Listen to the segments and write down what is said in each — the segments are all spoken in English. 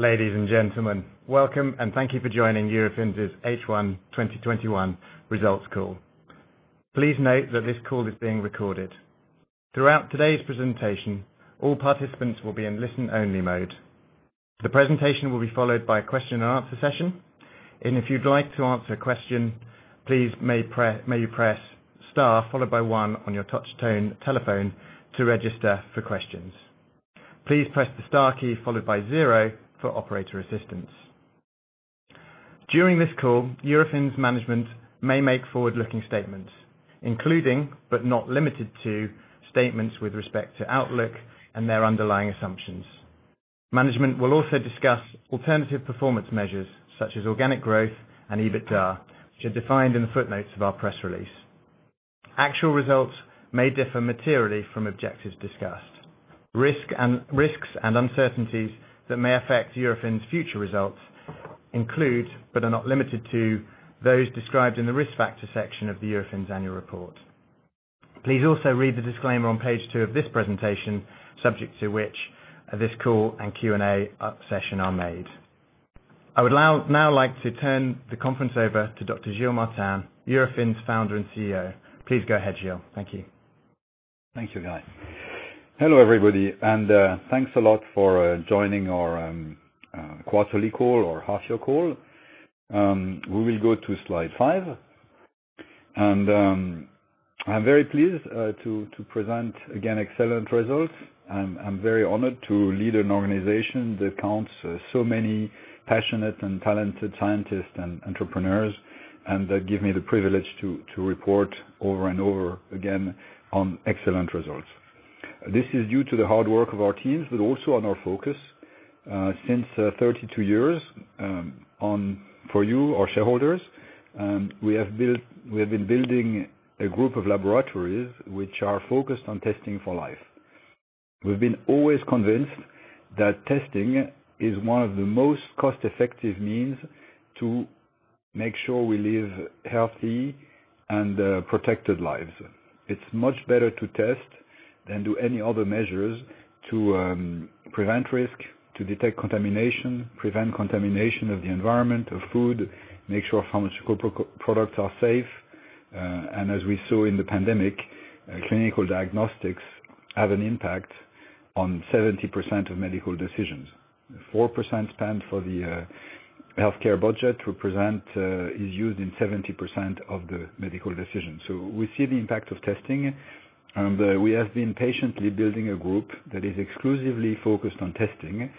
Ladies and gentlemen, welcome and thank you for joining Eurofins' H1 2021 Results Call. Please note that this call is being recorded. Throughout today's presentation, all participants will be in listen-only mode. The presentation will be followed by a question-and-answer session. If you'd like to ask a question, please may you press star followed by one on your touch tone telephone to register for questions. Please press the star key followed by zero for operator assistance. During this call, Eurofins management may make forward-looking statements, including, but not limited to, statements with respect to outlook and their underlying assumptions. Management will also discuss alternative performance measures such as organic growth and EBITDA, which are defined in the footnotes of our press release. Actual results may differ materially from objectives discussed. Risks and uncertainties that may affect Eurofins' future results include, but are not limited to, those described in the risk factor section of the Eurofins annual report. Please also read the disclaimer on page two of this presentation, subject to which this call and Q&A session are made. I would now like to turn the conference over to Dr. Gilles Martin, Eurofins Founder and CEO. Please go ahead, Gilles. Thank you. Thank you, Guy. Hello, everybody, and thanks a lot for joining our quarterly call or half year call. We will go to slide five. I'm very pleased to present again excellent results. I'm very honored to lead an organization that counts so many passionate and talented scientists and entrepreneurs, and that give me the privilege to report over and over again on excellent results. This is due to the hard work of our teams, but also on our focus. Since 32 years, for you, our shareholders, we have been building a group of laboratories which are focused on testing for life. We've been always convinced that testing is one of the most cost-effective means to make sure we live healthy and protected lives. It's much better to test than do any other measures to prevent risk, to detect contamination, prevent contamination of the environment, of food, make sure pharmaceutical products are safe. As we saw in the pandemic, clinical diagnostics have an impact on 70% of medical decisions. 4% spent for the healthcare budget is used in 70% of the medical decisions. We see the impact of testing, and we have been patiently building a group that is exclusively focused on testing.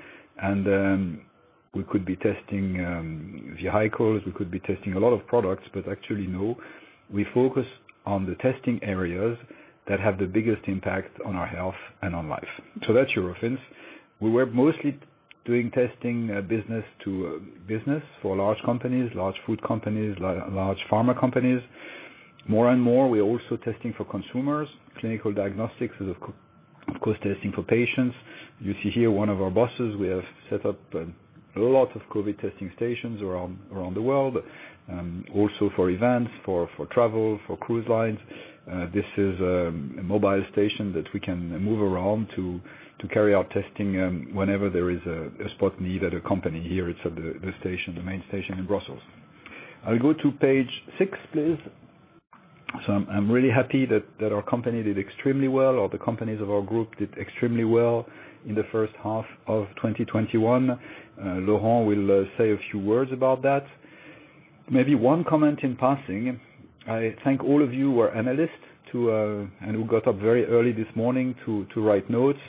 We could be testing vehicle, we could be testing a lot of products, but actually no, we focus on the testing areas that have the biggest impact on our health and on life. That's Eurofins. We were mostly doing testing business to business for large companies, large food companies, large pharma companies. More and more, we're also testing for consumers. Clinical diagnostics is of course testing for patients. You see here one of our buses. We have set up a lot of COVID testing stations around the world. Also for events, for travel, for cruise lines. This is a mobile station that we can move around to carry out testing whenever there is a spot needed. A company here, it's the main station in Brussels. I'll go to page six, please. I'm really happy that our company did extremely well, or the companies of our group did extremely well in the first half of 2021. Laurent will say a few words about that. Maybe one comment in passing. I thank all of you who are analysts and who got up very early this morning to write notes.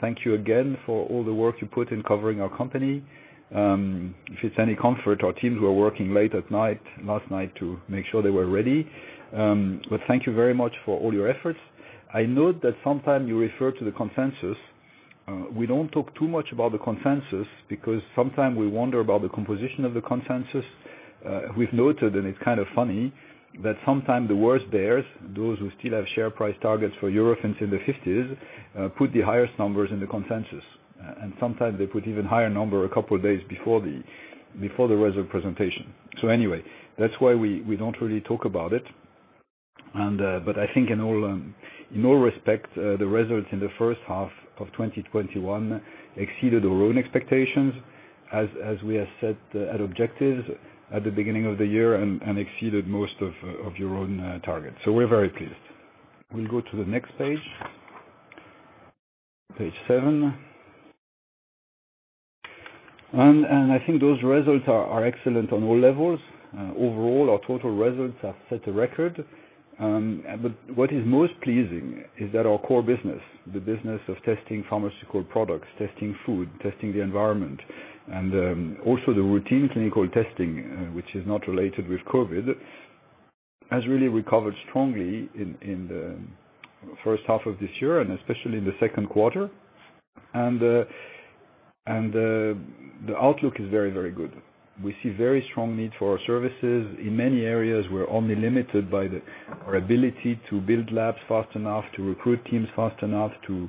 Thank you again for all the work you put in covering our company. If it's any comfort, our teams were working late at night last night to make sure they were ready. Thank you very much for all your efforts. I know that sometimes you refer to the consensus. We don't talk too much about the consensus because sometimes we wonder about the composition of the consensus. We've noted, and it's kind of funny, that sometimes the worst bears, those who still have share price targets for Eurofins in the 50s, put the highest numbers in the consensus, and sometimes they put even higher number a couple of days before the result presentation. Anyway, that's why we don't really talk about it. I think in all respects, the results in the first half of 2021 exceeded our own expectations as we have set at objectives at the beginning of the year and exceeded most of your own targets. We are very pleased. We'll go to the next page. Page seven. I think those results are excellent on all levels. Overall, our total results have set a record. What is most pleasing is that our core business, the business of testing pharmaceutical products, testing food, testing the environment, and also the routine clinical testing which is not related with COVID-19, has really recovered strongly in the first half of this year and especially in the second quarter. The outlook is very, very good. We see very strong need for our services. In many areas, we're only limited by our ability to build labs fast enough, to recruit teams fast enough, to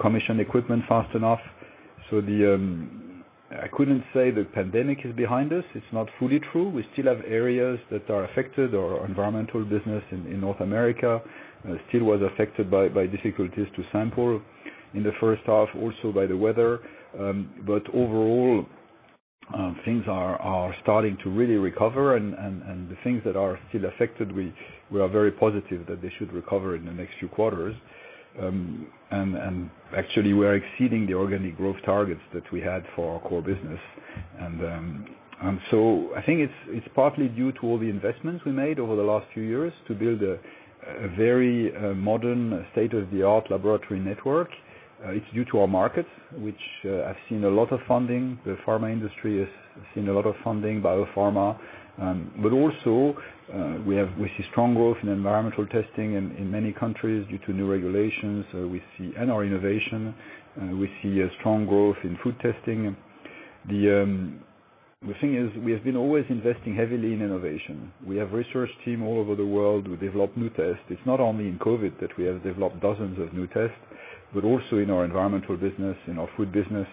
commission equipment fast enough. I couldn't say the pandemic is behind us. It's not fully true. We still have areas that are affected. Our environmental business in North America still was affected by difficulties to sample in the first half, also by the weather. Overall, things are starting to really recover, and the things that are still affected, we are very positive that they should recover in the next few quarters. Actually, we're exceeding the organic growth targets that we had for our core business. I think it's partly due to all the investments we made over the last few years to build a very modern state-of-the-art laboratory network. It's due to our markets, which have seen a lot of funding. The pharma industry has seen a lot of funding, biopharma. Also, we see strong growth in environmental testing in many countries due to new regulations. We see in our innovation, we see a strong growth in food testing. The thing is, we have been always investing heavily in innovation. We have research team all over the world who develop new tests. It's not only in COVID that we have developed dozens of new tests, but also in our environmental business, in our food business.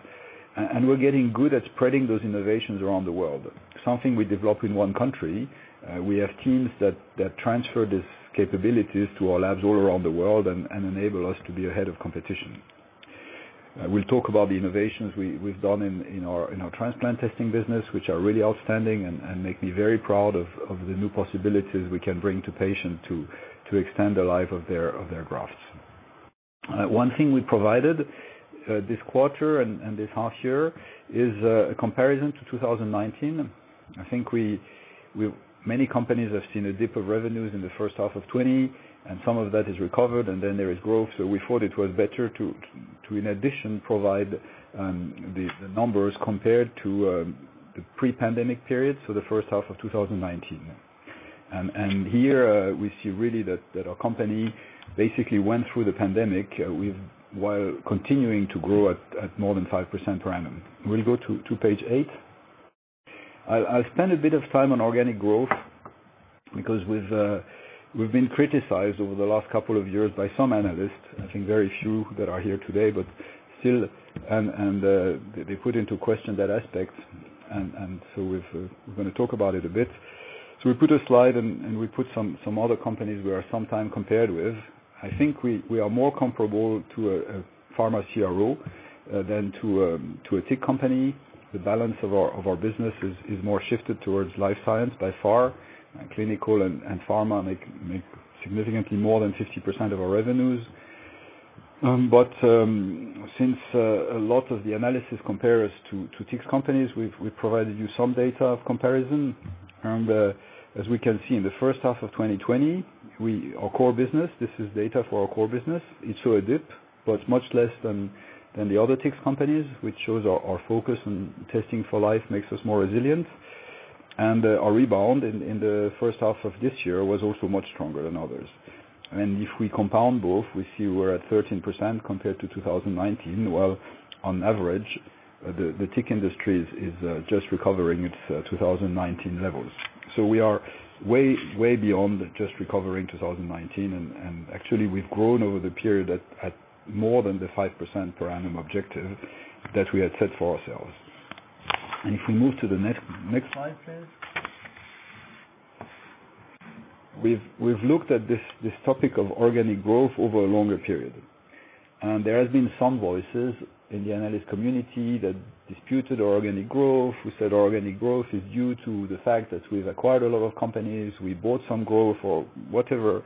We're getting good at spreading those innovations around the world. Something we develop in one country, we have teams that transfer these capabilities to our labs all around the world and enable us to be ahead of competition. We'll talk about the innovations we've done in our transplant testing business, which are really outstanding and make me very proud of the new possibilities we can bring to patients to extend the life of their grafts. One thing we provided this quarter and this half year is a comparison to 2019. I think many companies have seen a dip of revenues in the first half of 2020, and some of that is recovered, and then there is growth. We thought it was better to, in addition, provide the numbers compared to the pre-pandemic period, so the first half of 2019. Here we see really that our company basically went through the pandemic while continuing to grow at more than 5% per annum. We'll go to page eight. I'll spend a bit of time on organic growth, because we've been criticized over the last couple of years by some analysts, I think very few that are here today, but still. They put into question that aspect, and so we're going to talk about it a bit. We put a slide and we put some other companies we are sometimes compared with. I think we are more comparable to a pharma CRO than to a TIC company. The balance of our business is more shifted towards life science by far. Clinical and pharma make significantly more than 50% of our revenues. Since a lot of the analysis compare us to TIC companies, we've provided you some data of comparison. As we can see in the first half of 2020, our core business, this is data for our core business, it saw a dip, but much less than the other TIC companies, which shows our focus on testing for life makes us more resilient. Our rebound in the first half of this year was also much stronger than others. If we compound both, we see we're at 13% compared to 2019, while on average, the TIC industry is just recovering its 2019 levels. We are way beyond just recovering 2019, and actually, we've grown over the period at more than the 5% per annum objective that we had set for ourselves. If we move to the next slide, please. We've looked at this topic of organic growth over a longer period, and there has been some voices in the analyst community that disputed organic growth, who said organic growth is due to the fact that we've acquired a lot of companies, we bought some growth or whatever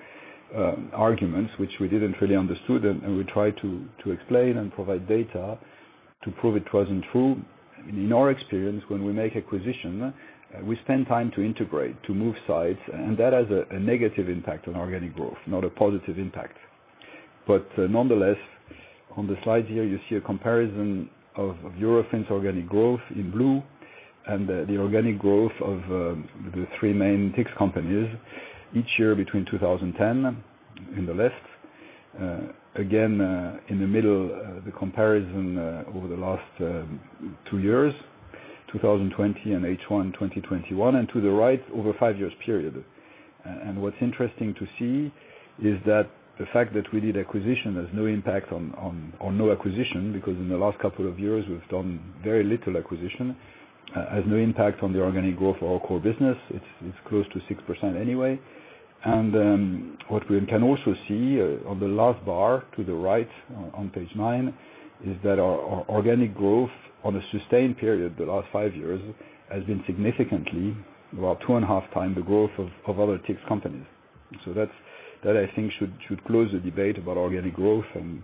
arguments, which we didn't really understood, and we tried to explain and provide data to prove it wasn't true. In our experience, when we make acquisition, we spend time to integrate, to move sites, and that has a negative impact on organic growth, not a positive impact. Nonetheless, on the slide here, you see a comparison of Eurofins' organic growth in blue and the organic growth of the three main TIC companies each year between 2010 in the list. Again, in the middle, the comparison over the last two years, 2020 and H1 2021, and to the right, over five years period. What's interesting to see is that the fact that we did acquisition has no impact on no acquisition, because in the last couple of years, we've done very little acquisition, has no impact on the organic growth of our core business. It's close to 6% anyway. What we can also see on the last bar to the right on page nine is that our organic growth on a sustained period, the last five years, has been significantly, about 2.5x, the growth of other TIC companies. That, I think, should close the debate about organic growth, and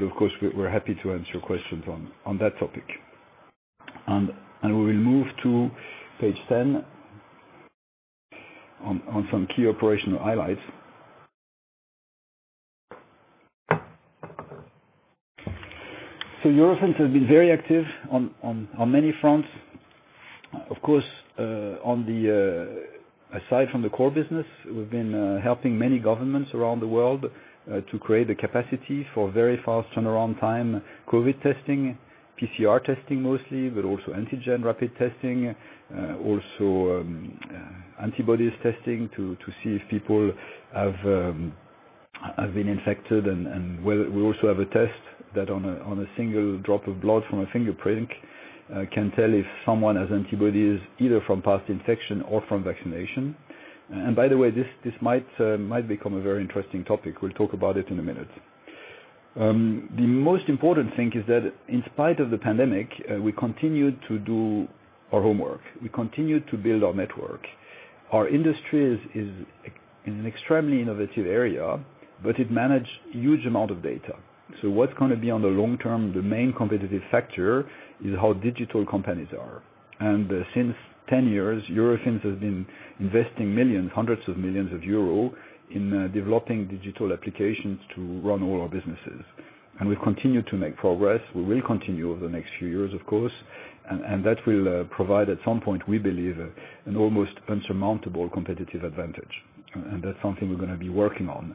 of course, we're happy to answer questions on that topic. We will move to page 10 on some key operational highlights. Eurofins has been very active on many fronts. Of course, aside from the core business, we've been helping many governments around the world to create the capacity for very fast turnaround time COVID testing, PCR testing mostly, but also antigen rapid testing, also antibodies testing to see if people have been infected, and we also have a test that, on a single drop of blood from a fingerprint, can tell if someone has antibodies, either from past infection or from vaccination. By the way, this might become a very interesting topic. We'll talk about it in a minute. The most important thing is that in spite of the pandemic, we continued to do our homework. We continued to build our network. Our industry is in an extremely innovative area, but it managed huge amount of data. What's going to be on the long term, the main competitive factor is how digital companies are. Since 10 years, Eurofins has been investing millions, EUR hundreds of millions in developing digital applications to run all our businesses. We've continued to make progress. We will continue over the next few years, of course, and that will provide at some point, we believe, an almost insurmountable competitive advantage. That's something we're going to be working on.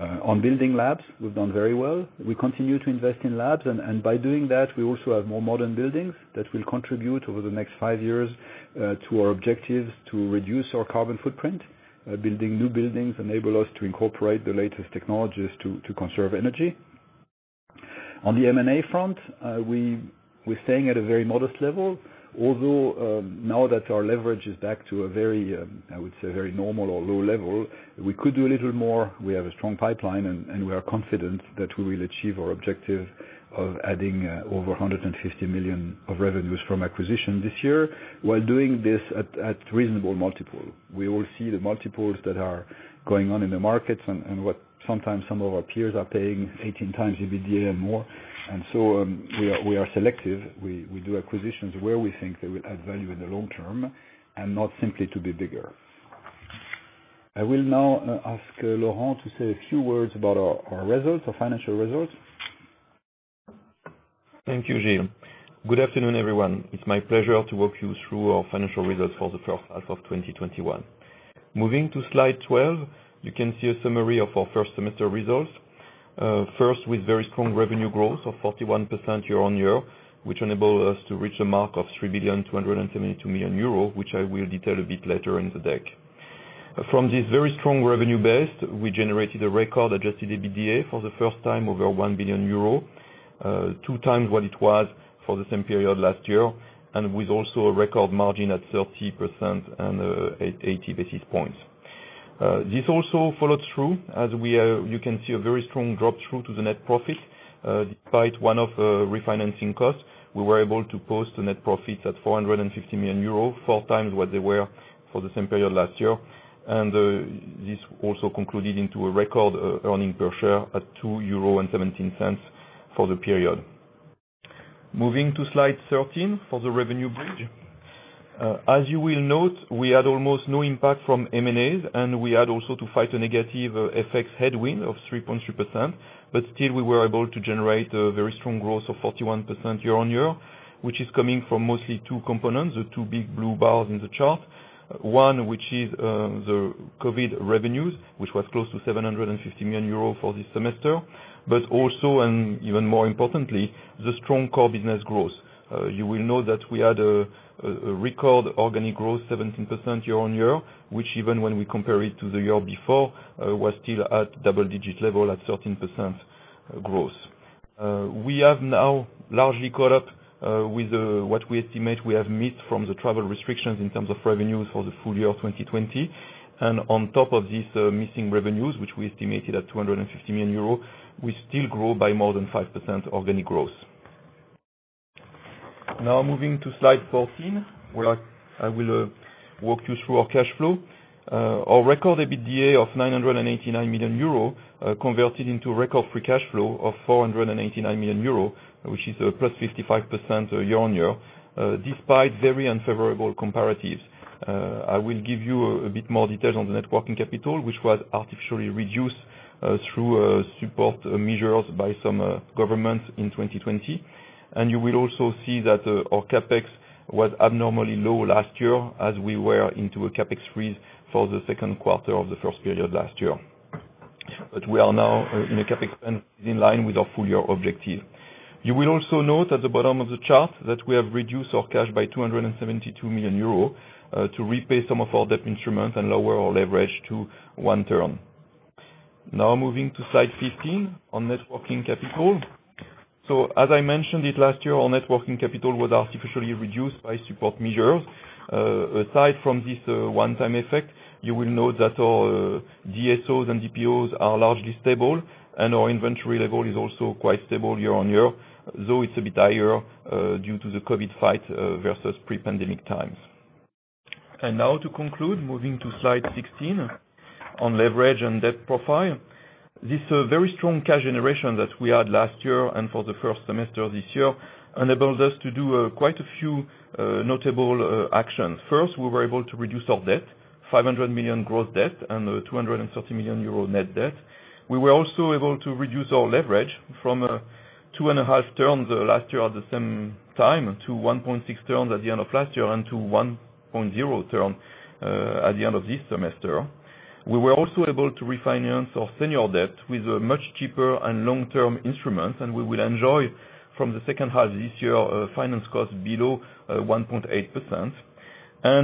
On building labs, we've done very well. We continue to invest in labs, and by doing that, we also have more modern buildings that will contribute over the next five years, to our objectives to reduce our carbon footprint. Building new buildings enable us to incorporate the latest technologies to conserve energy. On the M&A front, we're staying at a very modest level, although, now that our leverage is back to a very, I would say, very normal or low level, we could do a little more. We have a strong pipeline, and we are confident that we will achieve our objective of adding over 150 million of revenues from acquisition this year while doing this at reasonable multiple. We all see the multiples that are going on in the markets and what sometimes some of our peers are paying 18x EBITDA and more. We are selective. We do acquisitions where we think they will add value in the long term and not simply to be bigger. I will now ask Laurent to say a few words about our results, our financial results. Thank you, Gilles. Good afternoon, everyone. It is my pleasure to walk you through our financial results for the first half of 2021. Moving to slide 12, you can see a summary of our first semester results. First, with very strong revenue growth of 41% year-on-year, which enable us to reach a mark of 3,272 million euros, which I will detail a bit later in the deck. From this very strong revenue base, we generated a record adjusted EBITDA for the first time over 1 billion euro, 2x what it was for the same period last year, and with also a record margin at 30% and 80 basis points. This also followed through, as you can see, a very strong drop-through to the net profit. Despite one-off refinancing cost, we were able to post the net profits at 450 million euros, four times what they were for the same period last year. This also concluded into a record earning per share at 2.17 euro for the period. Moving to slide 13 for the revenue bridge. As you will note, we had almost no impact from M&As, and we had also to fight a negative FX headwind of 3.3%, but still we were able to generate a very strong growth of 41% year-on-year, which is coming from mostly two components, the two big blue bars in the chart. One, which is the COVID-19 revenues, which was close to 750 million euros for this semester, but also, and even more importantly, the strong core business growth. You will know that we had a record organic growth 17% year-on-year, which even when we compare it to the year before, was still at double digit level at 13% growth. We have now largely caught up with what we estimate we have missed from the travel restrictions in terms of revenues for the full year of 2020. On top of these missing revenues, which we estimated at 250 million euro, we still grow by more than 5% organic growth. Now moving to slide 14, where I will walk you through our cash flow. Our record EBITDA of 989 million euro, converted into record free cash flow of 489 million euro, which is a +55% year-on-year, despite very unfavorable comparatives. I will give you a bit more detail on the net working capital, which was artificially reduced through support measures by some governments in 2020. You will also see that our CapEx was abnormally low last year as we were into a CapEx freeze for the second quarter of the first period last year. We are now in a CapEx spend in line with our full-year objective. You will also note at the bottom of the chart that we have reduced our cash by 272 million euro to repay some of our debt instruments and lower our leverage to one turn. Moving to slide 15 on net working capital. As I mentioned it last year, our net working capital was artificially reduced by support measures. Aside from this one-time effect, you will note that our DSOs and DPOs are largely stable, and our inventory level is also quite stable year-on-year, though it's a bit higher due to the COVID-19 fight versus pre-pandemic times. Now to conclude, moving to slide 16 on leverage and debt profile. This very strong cash generation that we had last year and for the first semester this year enables us to do quite a few notable actions. First, we were able to reduce our debt, 500 million gross debt, and 230 million euro net debt. We were also able to reduce our leverage from 2.5 turns last year at the same time to 1.6 turns at the end of last year and to 1.0 turn at the end of this semester. We were also able to refinance our senior debt with much cheaper and long-term instruments. We will enjoy from the second half this year finance cost below 1.8%.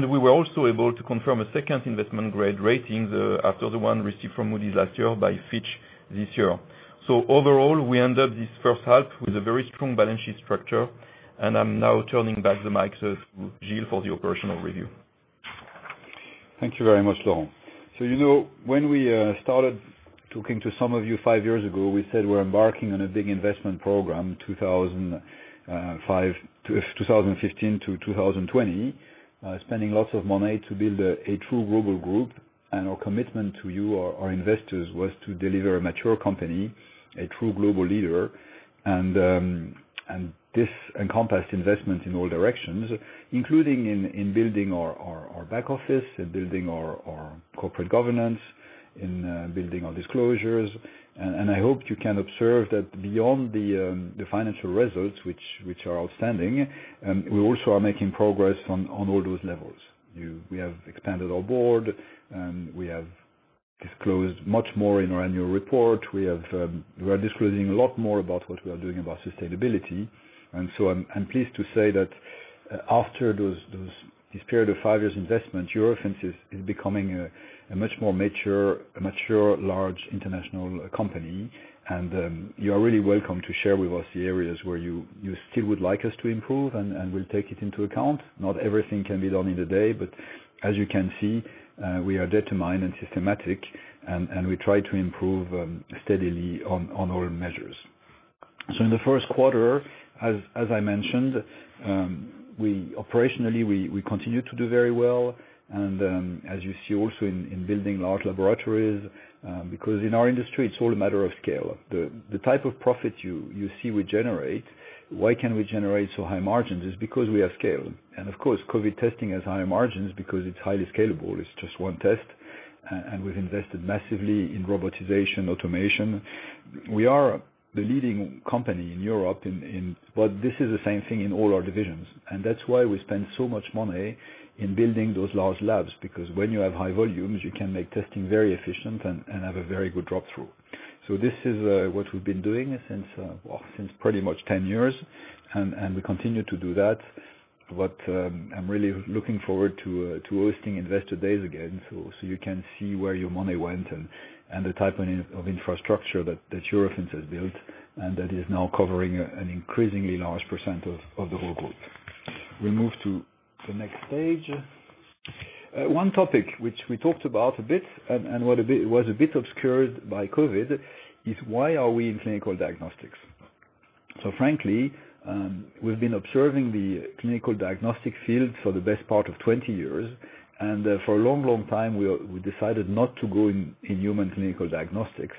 We were also able to confirm a second investment-grade rating after the one received from Moody's last year by Fitch this year. Overall, we end up this first half with a very strong balance sheet structure, and I'm now turning back the mic to Gilles for the operational review. Thank you very much, Laurent. You know, when we started talking to some of you five years ago, we said we're embarking on a big investment program, 2015-2020, spending lots of money to build a true global group. Our commitment to you, our investors, was to deliver a mature company, a true global leader. This encompassed investment in all directions, including in building our back office, in building our corporate governance, in building our disclosures. I hope you can observe that beyond the financial results, which are outstanding, we also are making progress on all those levels. We have expanded our board, and we have disclosed much more in our annual report. We are disclosing a lot more about what we are doing about sustainability. I'm pleased to say that after this period of five years investment, Eurofins is becoming a much more mature, large international company. You are really welcome to share with us the areas where you still would like us to improve, and we'll take it into account. Not everything can be done in a day, but as you can see, we are determined and systematic, and we try to improve steadily on all measures. In the first quarter, as I mentioned, operationally, we continue to do very well and, as you see also, in building large laboratories, because in our industry, it's all a matter of scale. The type of profit you see we generate, why can we generate so high margins is because we have scale. Of course, COVID testing has high margins because it's highly scalable. It's just one test, and we've invested massively in robotization, automation. We are the leading company in Europe, but this is the same thing in all our divisions. That's why we spend so much money in building those large labs, because when you have high volumes, you can make testing very efficient and have a very good drop-through. This is what we've been doing since, well, since pretty much 10 years, and we continue to do that. I'm really looking forward to hosting Investor Day again, so you can see where your money went and the type of infrastructure that Eurofins has built and that is now covering an increasingly large percent of the whole group. We move to the next stage. One topic which we talked about a bit and what was a bit obscured by COVID-19 is why are we in clinical diagnostics? Frankly, we've been observing the clinical diagnostic field for the best part of 20 years. For a long, long time, we decided not to go in human clinical diagnostics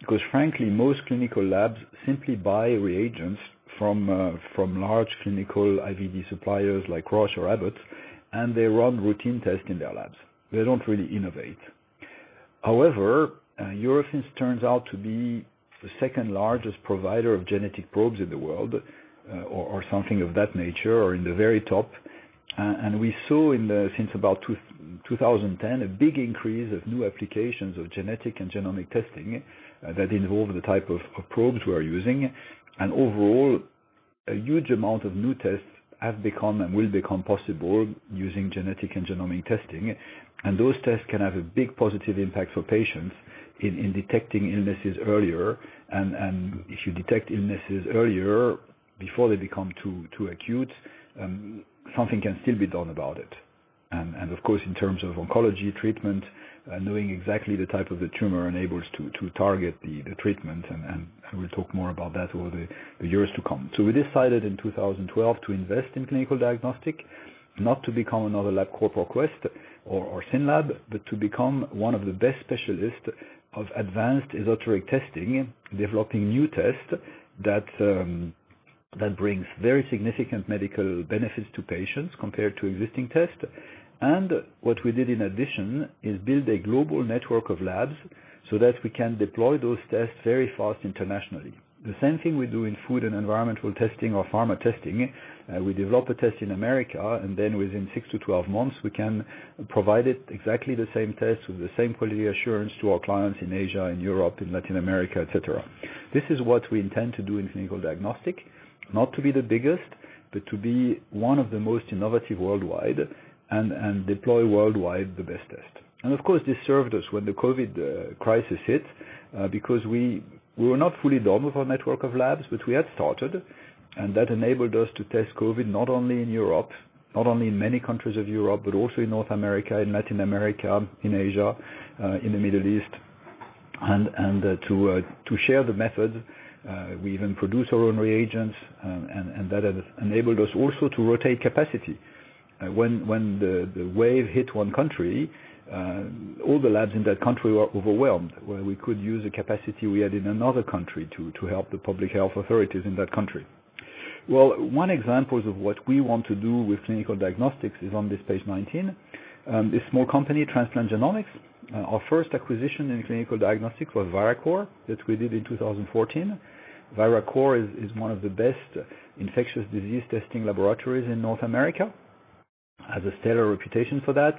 because frankly, most clinical labs simply buy reagents from large clinical IVD suppliers like Roche or Abbott, and they run routine tests in their labs. They don't really innovate. However, Eurofins turns out to be the second largest provider of genetic probes in the world, or something of that nature, or in the very top. We saw since about 2010, a big increase of new applications of genetic and genomics testing that involve the type of probes we are using. Overall, a huge amount of new tests have become and will become possible using genetic and genomics testing. Those tests can have a big positive impact for patients in detecting illnesses earlier. If you detect illnesses earlier, before they become too acute, something can still be done about it. Of course, in terms of oncology treatment, knowing exactly the type of the tumor enables to target the treatment, and we'll talk more about that over the years to come. We decided in 2012 to invest in clinical diagnostic, not to become another LabCorp or Quest or SYNLAB, but to become one of the best specialists of advanced esoteric testing, developing new tests that brings very significant medical benefits to patients compared to existing tests. What we did in addition is build a global network of labs so that we can deploy those tests very fast internationally. The same thing we do in food and environmental testing or pharma testing. We develop a test in America, and then within six to 12 months, we can provide it, exactly the same test with the same quality assurance to our clients in Asia and Europe, in Latin America, et cetera. This is what we intend to do in clinical diagnostic, not to be the biggest, but to be one of the most innovative worldwide and deploy worldwide the best test. Of course, this served us when the COVID-19 crisis hit, because we were not fully done with our network of labs, but we had started, and that enabled us to test COVID-19 not only in Europe, not only in many countries of Europe, but also in North America, in Latin America, in Asia, in the Middle East, and to share the methods. We even produce our own reagents, and that has enabled us also to rotate capacity. When the wave hit one country, all the labs in that country were overwhelmed, where we could use the capacity we had in another country to help the public health authorities in that country. Well, one example of what we want to do with clinical diagnostics is on this page 19. A small company, Transplant Genomics. Our first acquisition in clinical diagnostics was Viracor, that we did in 2014. Viracor is one of the best infectious disease testing laboratories in North America, has a stellar reputation for that.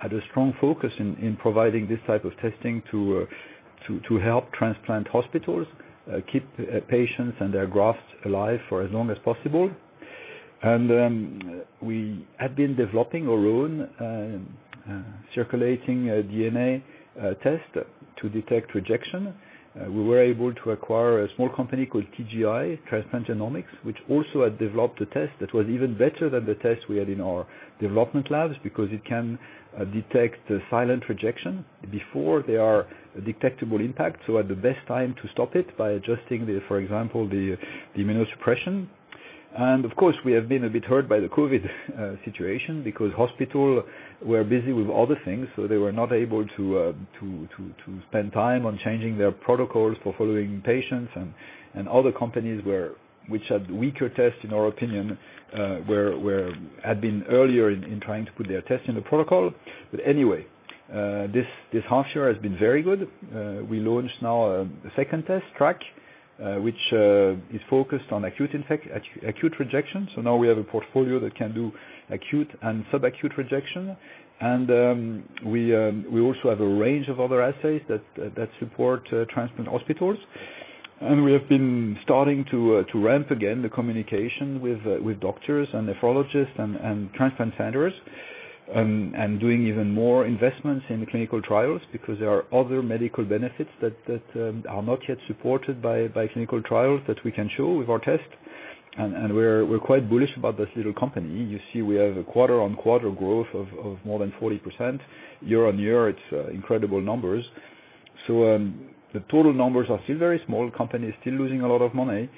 Had a strong focus in providing this type of testing to help transplant hospitals keep patients and their grafts alive for as long as possible. We had been developing our own circulating DNA test to detect rejection. We were able to acquire a small company called TGI, Transplant Genomics, which also had developed a test that was even better than the test we had in our development labs because it can detect silent rejection before there are detectable impacts, so at the best time to stop it by adjusting, for example, the immunosuppression. Of course, we have been a bit hurt by the COVID-19 situation because hospitals were busy with other things, so they were not able to spend time on changing their protocols for following patients. Other companies which had weaker tests, in our opinion, had been earlier in trying to put their test in the protocol. Anyway, this half year has been very good. We launched now a second test, TRAC, which is focused on acute rejection. Now we have a portfolio that can do acute and subacute rejection. We also have a range of other assays that support transplant hospitals. We have been starting to ramp again the communication with doctors and nephrologists and transplant centers. Doing even more investments in clinical trials because there are other medical benefits that are not yet supported by clinical trials that we can show with our test. We're quite bullish about this little company. You see we have a quarter-on-quarter growth of more than 40%. Year-on-year, it's incredible numbers. The total numbers are still very small. Company is still losing a lot of money.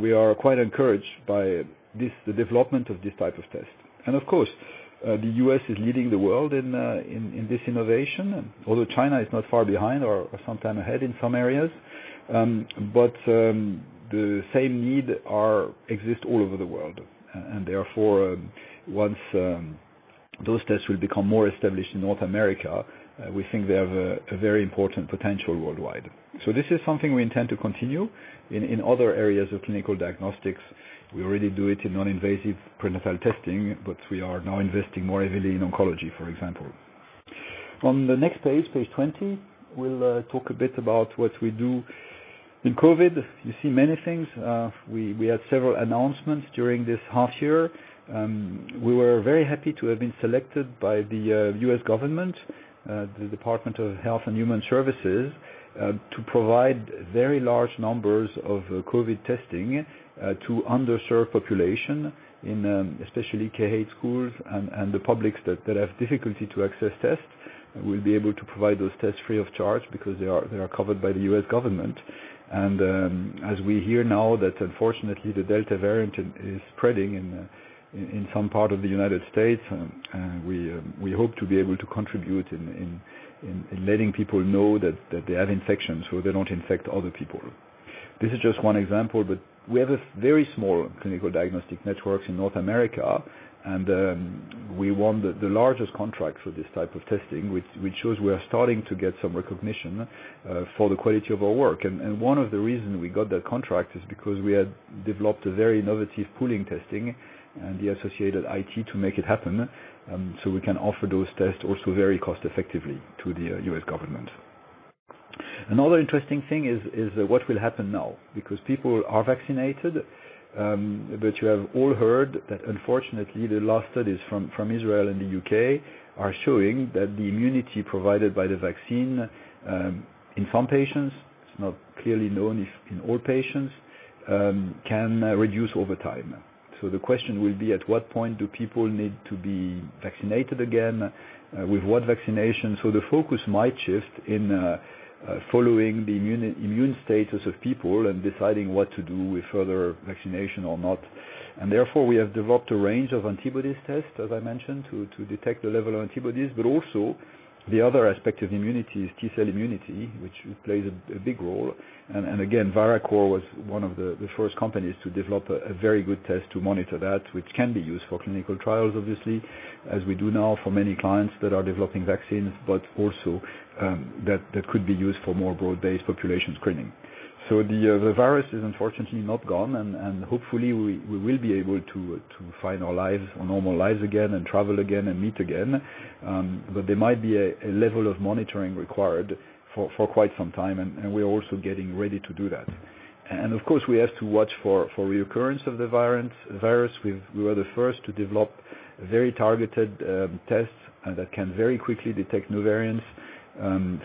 We are quite encouraged by the development of this type of test. Of course, the U.S. is leading the world in this innovation, although China is not far behind or sometime ahead in some areas. The same need exists all over the world. Therefore, once those tests will become more established in North America, we think they have a very important potential worldwide. This is something we intend to continue in other areas of clinical diagnostics. We already do it in non-invasive prenatal testing, but we are now investing more heavily in oncology, for example. On the next page 20, we'll talk a bit about what we do in COVID. You see many things. We had several announcements during this half year. We were very happy to have been selected by the U.S. government, the Department of Health and Human Services, to provide very large numbers of COVID testing to underserved population in especially K-8 schools and the publics that have difficulty to access tests. We'll be able to provide those tests free of charge because they are covered by the U.S. government. As we hear now that unfortunately the Delta variant is spreading in some part of the United States, we hope to be able to contribute in letting people know that they have infections so they don't infect other people. This is just one example, but we have a very small clinical diagnostic network in North America, and we won the largest contract for this type of testing, which shows we are starting to get some recognition for the quality of our work. One of the reasons we got that contract is because we had developed a very innovative pooling testing and the associated IT to make it happen. We can offer those tests also very cost-effectively to the U.S. government. Another interesting thing is what will happen now, because people are vaccinated. You have all heard that unfortunately, the last studies from Israel and the U.K. are showing that the immunity provided by the vaccine in some patients, it's not clearly known if in all patients, can reduce over time. The question will be at what point do people need to be vaccinated again? With what vaccination? The focus might shift in following the immune status of people and deciding what to do with further vaccination or not. Therefore, we have developed a range of antibodies tests, as I mentioned, to detect the level of antibodies. Also, the other aspect of immunity is T-cell immunity, which plays a big role. Again, Viracor was one of the first companies to develop a very good test to monitor that, which can be used for clinical trials, obviously, as we do now for many clients that are developing vaccines, but also that could be used for more broad-based population screening. The virus is unfortunately not gone, and hopefully, we will be able to find our normal lives again and travel again and meet again. There might be a level of monitoring required for quite some time, and we're also getting ready to do that. Of course, we have to watch for reoccurrence of the virus. We were the first to develop very targeted tests that can very quickly detect new variants,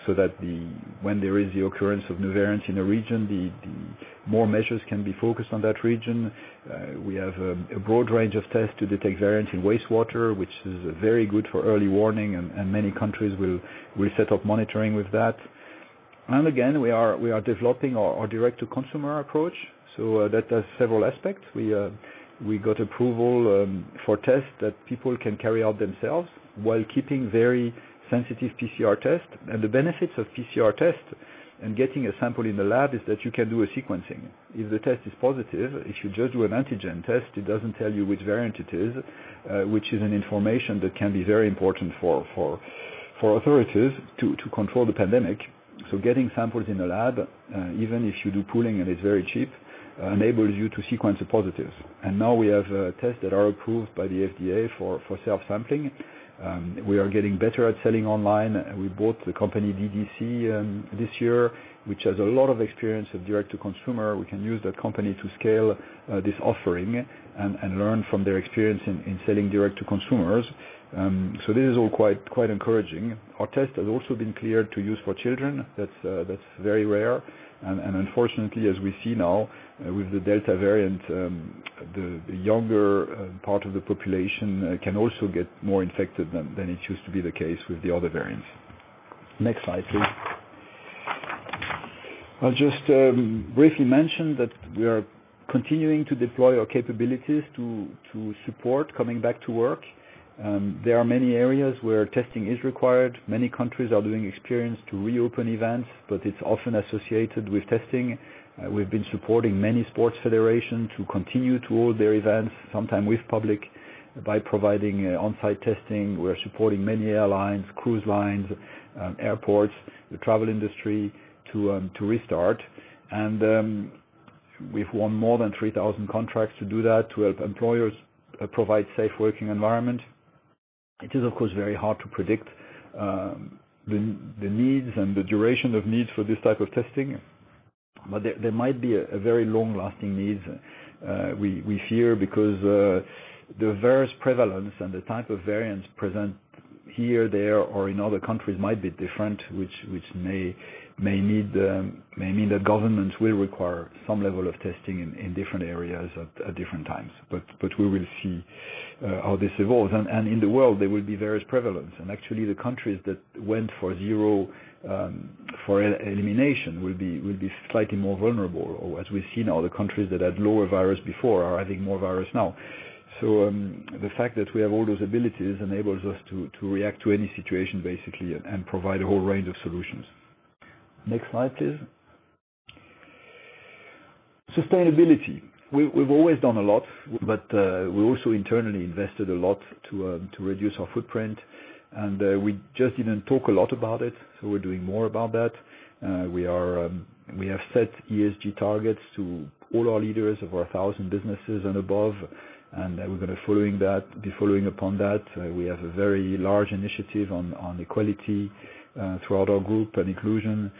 so that when there is the occurrence of new variants in a region, more measures can be focused on that region. We have a broad range of tests to detect variants in wastewater, which is very good for early warning. Many countries will set up monitoring with that. Again, we are developing our direct-to-consumer approach. That has several aspects. We got approval for tests that people can carry out themselves while keeping very sensitive PCR tests. The benefits of PCR tests and getting a sample in the lab is that you can do a sequencing. If the test is positive, if you just do an antigen test, it doesn't tell you which variant it is, which is an information that can be very important for authorities to control the pandemic. Getting samples in the lab, even if you do pooling and it's very cheap, enables you to sequence the positives. Now we have tests that are approved by the FDA for self-sampling. We are getting better at selling online. We bought the company DDC this year, which has a lot of experience of direct-to-consumer. We can use that company to scale this offering and learn from their experience in selling direct to consumers. This is all quite encouraging. Our test has also been cleared to use for children. That's very rare. Unfortunately, as we see now with the Delta variant, the younger part of the population can also get more infected than it used to be the case with the other variants. Next slide, please. I'll just briefly mention that we are continuing to deploy our capabilities to support coming back to work. There are many areas where testing is required. Many countries are doing experiments to reopen events, but it's often associated with testing. We've been supporting many sports federations to continue to hold their events, sometimes with public, by providing on-site testing. We're supporting many airlines, cruise lines, airports, the travel industry to restart. We've won more than 3,000 contracts to do that, to help employers provide safe working environment. It is, of course, very hard to predict the needs and the duration of needs for this type of testing, but there might be a very long-lasting need. We fear because the various prevalence and the type of variants present here, there, or in other countries might be different, which may mean that governments will require some level of testing in different areas at different times. We will see how this evolves. In the world, there will be various prevalence. Actually, the countries that went for zero for elimination will be slightly more vulnerable. As we see now, the countries that had lower virus before are having more virus now. The fact that we have all those abilities enables us to react to any situation, basically, and provide a whole range of solutions. Next slide, please. Sustainability. We've always done a lot, but we also internally invested a lot to reduce our footprint, and we just didn't talk a lot about it. We're doing more about that. We have set ESG targets to all our leaders of our 1,000 businesses and above, and we're going to be following upon that. We have a very large initiative on equality throughout our group, and inclusion.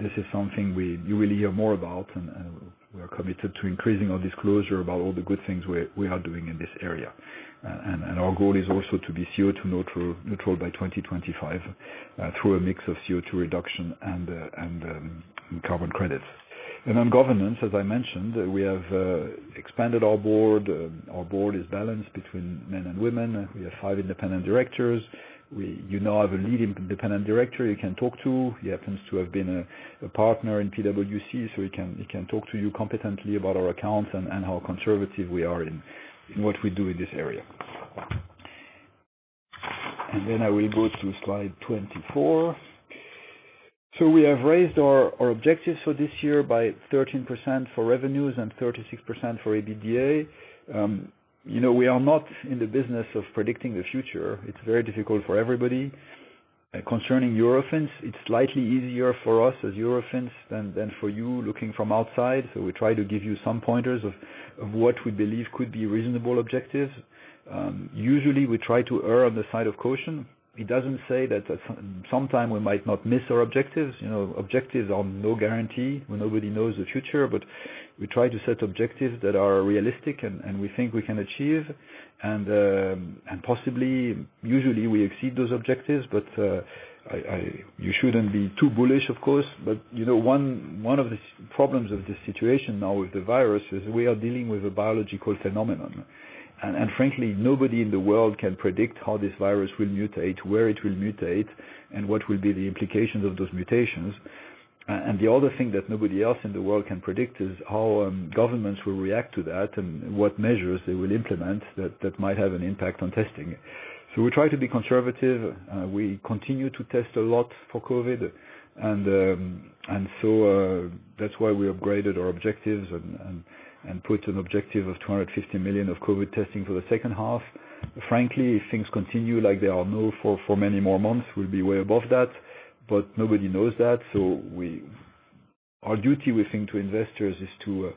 This is something you will hear more about, and we are committed to increasing our disclosure about all the good things we are doing in this area. Our goal is also to be CO2 neutral by 2025 through a mix of CO2 reduction and carbon credits. On governance, as I mentioned, we have expanded our board. Our board is balanced between men and women. We have five independent directors. We now have a lead independent director you can talk to. He happens to have been a partner in PwC. He can talk to you competently about our accounts and how conservative we are in what we do in this area. I will go to slide 24. We have raised our objectives for this year by 13% for revenues and 36% for EBITDA. We are not in the business of predicting the future. It's very difficult for everybody. Concerning Eurofins, it's slightly easier for us as Eurofins than for you looking from outside. We try to give you some pointers of what we believe could be reasonable objectives. Usually, we try to err on the side of caution. It doesn't say that sometimes we might not miss our objectives. Objectives are no guarantee. Nobody knows the future, but we try to set objectives that are realistic, and we think we can achieve. Possibly, usually, we exceed those objectives, but you shouldn't be too bullish, of course. One of the problems of this situation now with the virus is we are dealing with a biological phenomenon, and frankly, nobody in the world can predict how this virus will mutate, where it will mutate, and what will be the implications of those mutations. The other thing that nobody else in the world can predict is how governments will react to that and what measures they will implement that might have an impact on testing. We try to be conservative. We continue to test a lot for COVID, that's why we upgraded our objectives and put an objective of 250 million of COVID testing for the second half. Frankly, if things continue like they are now for many more months, we'll be way above that. Nobody knows that. Our duty, we think, to investors is to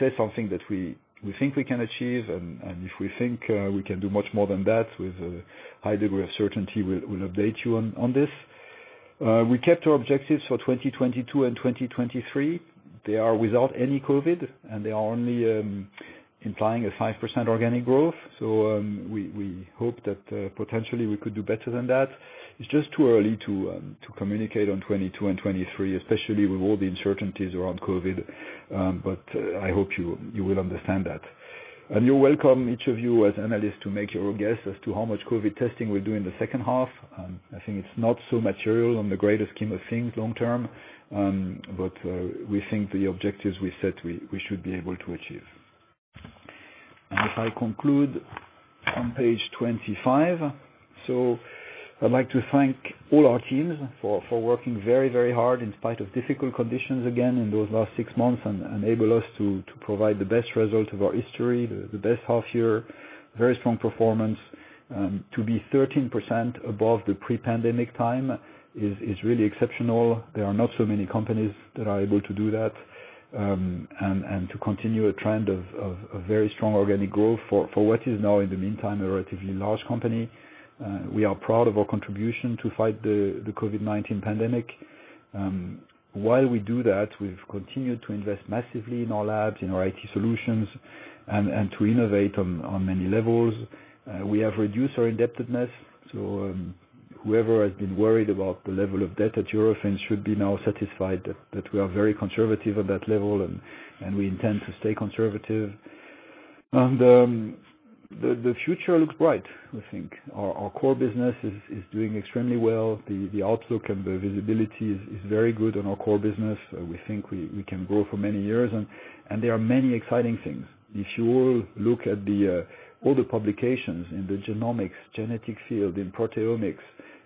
say something that we think we can achieve. If we think we can do much more than that with a high degree of certainty, we'll update you on this. We kept our objectives for 2022 and 2023. They are without any COVID, they are only implying a 5% organic growth. We hope that potentially we could do better than that. It's just too early to communicate on 2022 and 2023, especially with all the uncertainties around COVID. I hope you will understand that. You're welcome, each of you as analysts, to make your own guess as to how much COVID testing we'll do in the second half. I think it's not so material on the greater scheme of things long term, but we think the objectives we set, we should be able to achieve. If I conclude on page 25. I'd like to thank all our teams for working very, very hard in spite of difficult conditions again in those last six months, and enable us to provide the best result of our history, the best half year, very strong performance. To be 13% above the pre-pandemic time is really exceptional. There are not so many companies that are able to do that, to continue a trend of very strong organic growth for what is now, in the meantime, a relatively large company. We are proud of our contribution to fight the COVID-19 pandemic. While we do that, we've continued to invest massively in our labs, in our IT solutions, and to innovate on many levels. We have reduced our indebtedness, whoever has been worried about the level of debt at Eurofins should be now satisfied that we are very conservative at that level, we intend to stay conservative. The future looks bright, I think. Our core business is doing extremely well. The outlook and the visibility is very good on our core business. We think we can grow for many years, there are many exciting things. If you look at all the publications in the genomics, genetic field, in proteomics,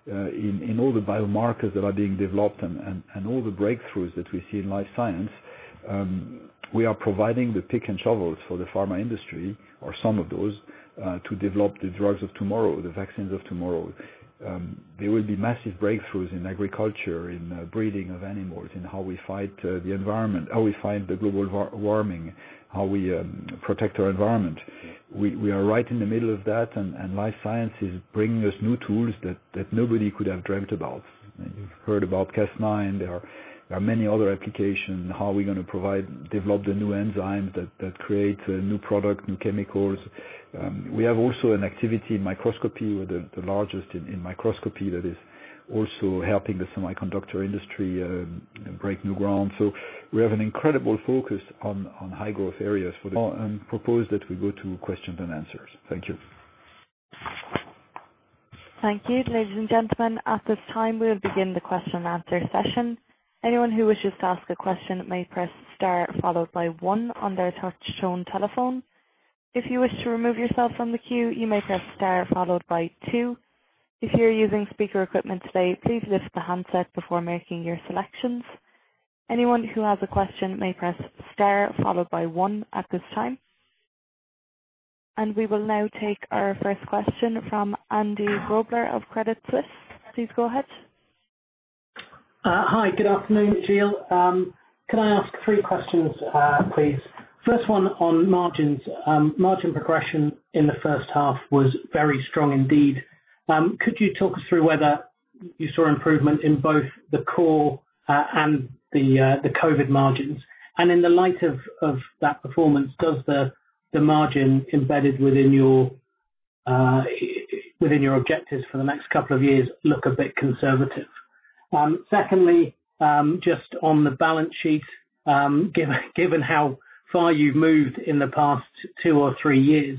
in all the biomarkers that are being developed and all the breakthroughs that we see in life science, we are providing the pick and shovels for the pharma industry, or some of those, to develop the drugs of tomorrow, the vaccines of tomorrow. There will be massive breakthroughs in agriculture, in breeding of animals, in how we fight the environment, how we fight the global warming, how we protect our environment. We are right in the middle of that, and life science is bringing us new tools that nobody could have dreamt about. You've heard about Cas9. There are many other applications. How are we going to provide, develop the new enzymes that create new product, new chemicals? We have also an activity in microscopy. We're the largest in microscopy that is also helping the semiconductor industry break new ground. We have an incredible focus on high growth areas. Propose that we go to questions and answers. Thank you. Thank you. We will now take our first question from Andy Grobler of Credit Suisse. Please go ahead. Hi. Good afternoon, Gilles. Can I ask three questions, please? First one on margins. Margin progression in the first half was very strong indeed. Could you talk us through whether you saw improvement in both the core and the COVID margins? In the light of that performance, does the margin embedded within your objectives for the next couple of years look a bit conservative? Secondly, just on the balance sheet. Given how far you've moved in the past two or three years,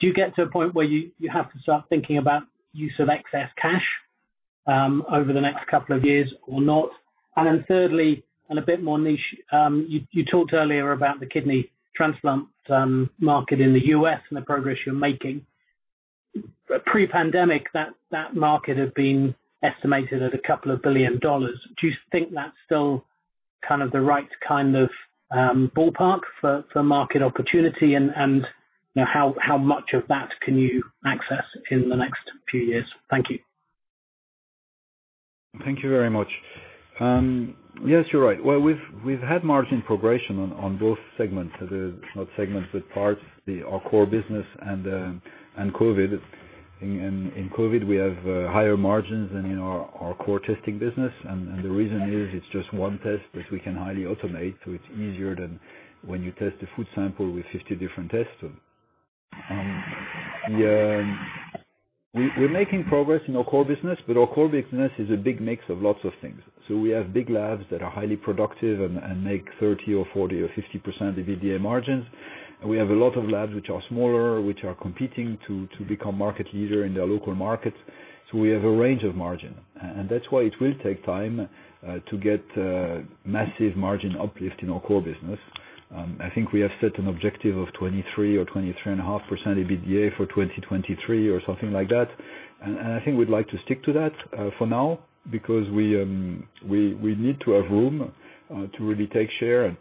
do you get to a point where you have to start thinking about use of excess cash over the next couple of years or not? Then thirdly, and a bit more niche, you talked earlier about the kidney transplant market in the U.S. and the progress you're making. Pre-pandemic, that market had been estimated at a couple of billion dollars. Do you think that's still kind of the right kind of ballpark for market opportunity? How much of that can you access in the next few years? Thank you. Thank you very much. Yes, you're right. Well, we've had margin progression on both segments. Not segments, but parts. Our core business and COVID-19. In COVID-19, we have higher margins than in our core testing business. The reason is, it's just one test that we can highly automate, so it's easier than when you test a food sample with 50 different tests. We're making progress in our core business, but our core business is a big mix of lots of things. We have big labs that are highly productive and make 30 or 40 or 50% EBITDA margins. We have a lot of labs which are smaller, which are competing to become market leader in their local markets. We have a range of margin, and that's why it will take time to get massive margin uplift in our core business. I think we have set an objective of 23% or 23.5% EBITDA for 2023 or something like that. I think we'd like to stick to that for now, because we need to have room to really take share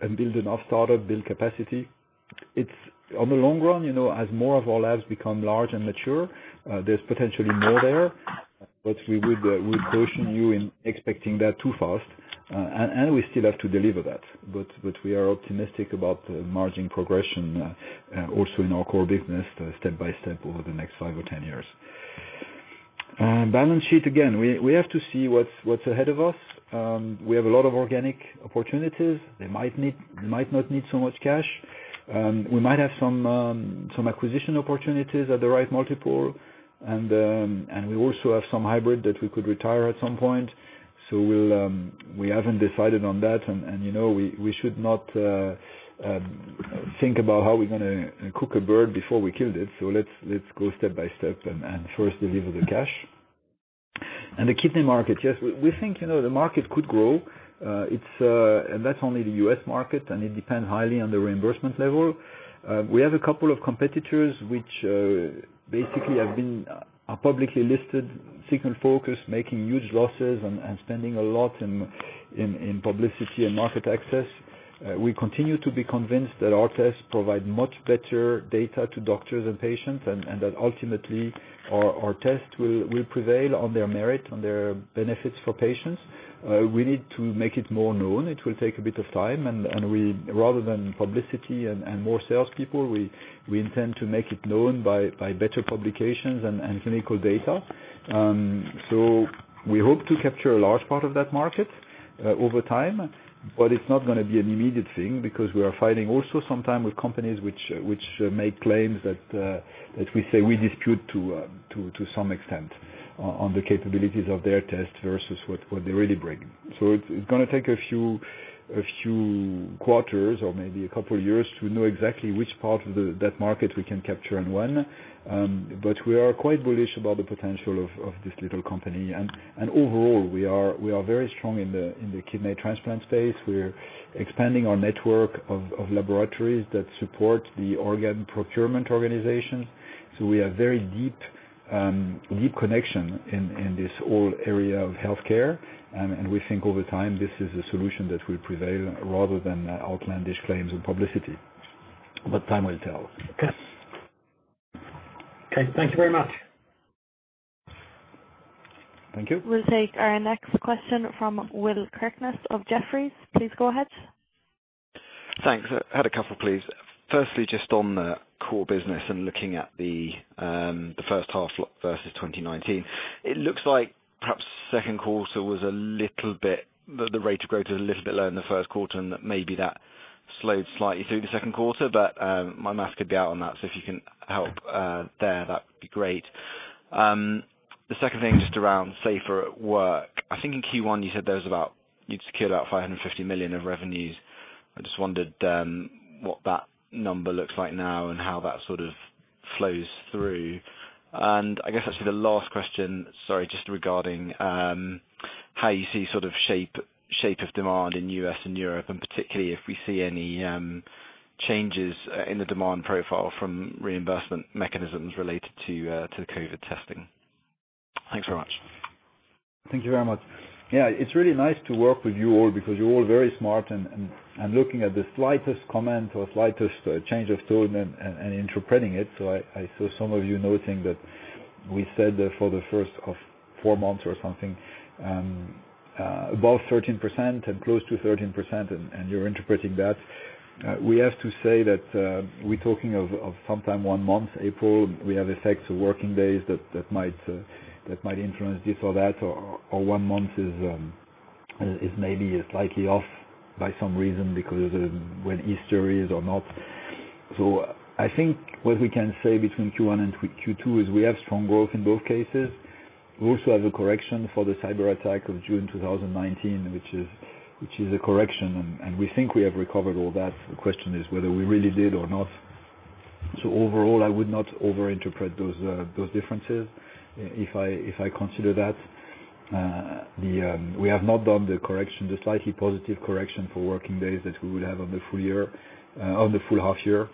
and build enough started, build capacity. On the long run, as more of our labs become large and mature, there's potentially more there, but we would caution you in expecting that too fast. We still have to deliver that. We are optimistic about the margin progression also in our core business, step by step over the next five or 10 years. Balance sheet, again, we have to see what's ahead of us. We have a lot of organic opportunities. They might not need so much cash. We might have some acquisition opportunities at the right multiple. We also have some hybrid that we could retire at some point. We haven't decided on that. We should not think about how we're going to cook a bird before we killed it. Let's go step by step and first deliver the cash. The kidney market, yes. We think the market could grow. That's only the U.S. market, and it depends highly on the reimbursement level. We have a couple of competitors which basically are publicly listed, single-focused, making huge losses and spending a lot in publicity and market access. We continue to be convinced that our tests provide much better data to doctors and patients, and that ultimately our tests will prevail on their merit, on their benefits for patients. We need to make it more known. It will take a bit of time, and rather than publicity and more salespeople, we intend to make it known by better publications and clinical data. We hope to capture a large part of that market over time, but it's not going to be an immediate thing because we are fighting also sometimes with companies which make claims that we say we dispute to some extent on the capabilities of their tests versus what they really bring. It's going to take a few quarters or maybe two years to know exactly which part of that market we can capture and when. We are quite bullish about the potential of this little company. Overall, we are very strong in the kidney transplant space. We're expanding our network of laboratories that support the organ procurement organizations. We have very deep connection in this whole area of healthcare, and we think over time this is a solution that will prevail rather than outlandish claims and publicity. Time will tell. Okay. Thank you very much. Thank you. We'll take our next question from Will Kirkness of Jefferies. Please go ahead. Thanks. Had a couple, please. Firstly, just on the core business and looking at the first half versus 2019. It looks like perhaps second quarter, the rate of growth was a little bit lower than the first quarter, and that maybe that slowed slightly through the second quarter. My math could be out on that, so if you can help there, that would be great. The second thing, just around SAFER@WORK. I think in Q1 you said you'd secured about 550 million of revenues. I just wondered what that number looks like now and how that sort of flows through. I guess actually the last question, sorry, just regarding how you see sort of shape of demand in U.S. and Europe, and particularly if we see any changes in the demand profile from reimbursement mechanisms related to the COVID-19 testing. Thanks very much. Thank you very much. Yeah, it's really nice to work with you all because you're all very smart and looking at the slightest comment or slightest change of tone and interpreting it. I saw some of you noting that we said that for the first of four months or something, above 13% and close to 13%, and you're interpreting that. We have to say that we're talking of sometime one month, April, we have effects of working days that might influence this or that, or one month is maybe slightly off by some reason because of when Easter is or not. I think what we can say between Q1 and Q2 is we have strong growth in both cases. We also have a correction for the cyber attack of June 2019, which is a correction, and we think we have recovered all that. The question is whether we really did or not. Overall, I would not over interpret those differences if I consider that. We have not done the correction, the slightly positive correction for working days that we would have on the full half year.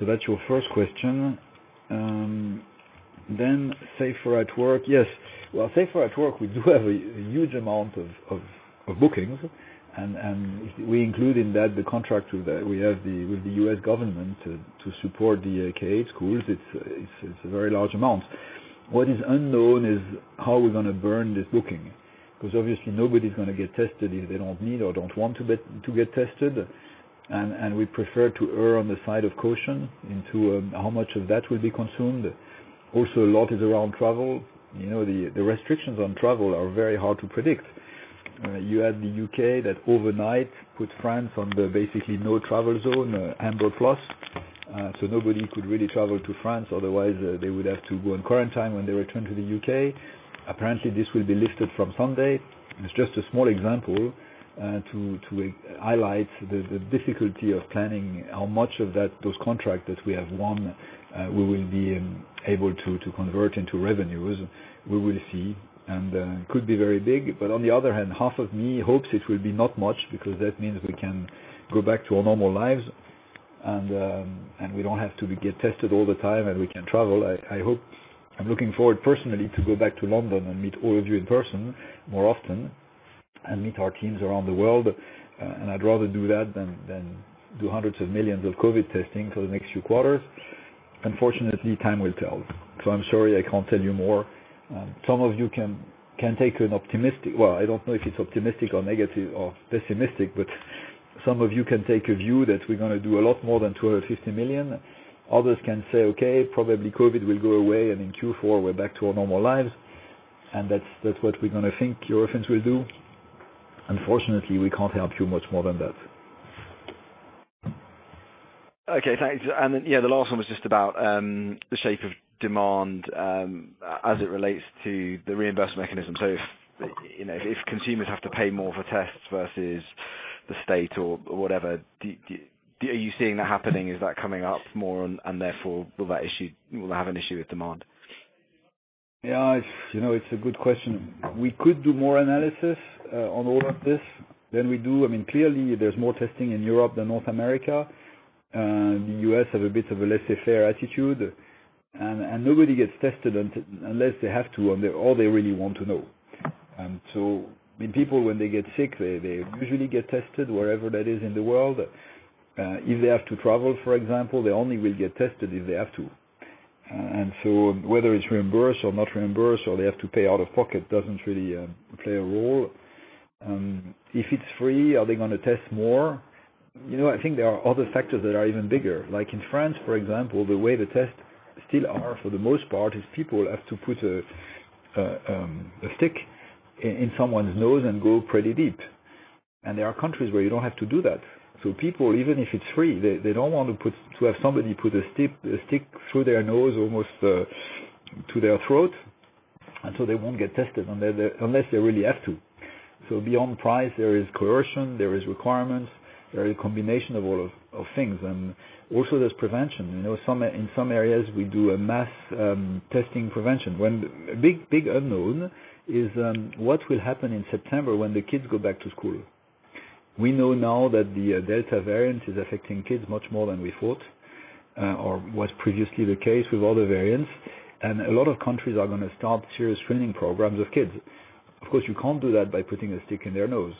That's your first question. SAFER@WORK. Yes. SAFER@WORK, we do have a huge amount of bookings, and we include in that the contract we have with the U.S. government to support the K-8 schools. It's a very large amount. What is unknown is how we're going to burn this booking, because obviously nobody's going to get tested if they don't need or don't want to get tested. We prefer to err on the side of caution into how much of that will be consumed. Also, a lot is around travel. The restrictions on travel are very hard to predict. You had the U.K. that overnight put France on the basically no travel zone, amber plus. Nobody could really travel to France, otherwise they would have to go on quarantine when they return to the U.K. Apparently, this will be lifted from Sunday. It's just a small example to highlight the difficulty of planning how much of those contracts that we have won, we will be able to convert into revenues. We will see, and could be very big. On the other hand, half of me hopes it will be not much because that means we can go back to our normal lives, and we don't have to get tested all the time, and we can travel. I'm looking forward personally to go back to London and meet all of you in person more often and meet our teams around the world. I'd rather do that than do hundreds of millions of COVID testing for the next few quarters. Unfortunately, time will tell. I'm sorry I can't tell you more. Some of you can take an optimistic view. Well, I don't know if it's optimistic or negative or pessimistic, some of you can take a view that we're going to do a lot more than 250 million. Others can say, okay, probably COVID will go away and in Q4 we're back to our normal lives. That's what we're going to think Eurofins will do. Unfortunately, we can't help you much more than that. Okay, thanks. Yeah, the last one was just about the shape of demand as it relates to the reimbursement mechanism. If consumers have to pay more for tests versus the state or whatever, are you seeing that happening? Is that coming up more and therefore, will that have an issue with demand? It's a good question. We could do more analysis on all of this than we do. Clearly, there's more testing in Europe than North America. The U.S. have a bit of a laissez-faire attitude, and nobody gets tested unless they have to or they really want to know. People, when they get sick, they usually get tested wherever that is in the world. If they have to travel, for example, they only will get tested if they have to. Whether it's reimbursed or not reimbursed or they have to pay out of pocket doesn't really play a role. If it's free, are they going to test more? I think there are other factors that are even bigger. In France, for example, the way the tests still are, for the most part, is people have to put a stick in someone's nose and go pretty deep. There are countries where you don't have to do that. People, even if it's free, they don't want to have somebody put a stick through their nose almost to their throat. They won't get tested unless they really have to. Beyond price, there is coercion, there is requirements, there is a combination of all of things. Also there's prevention. In some areas, we do a mass testing prevention. A big unknown is what will happen in September when the kids go back to school. We know now that the Delta variant is affecting kids much more than we thought, or was previously the case with other variants, and a lot of countries are going to start serious screening programs of kids. Of course, you can't do that by putting a stick in their nose.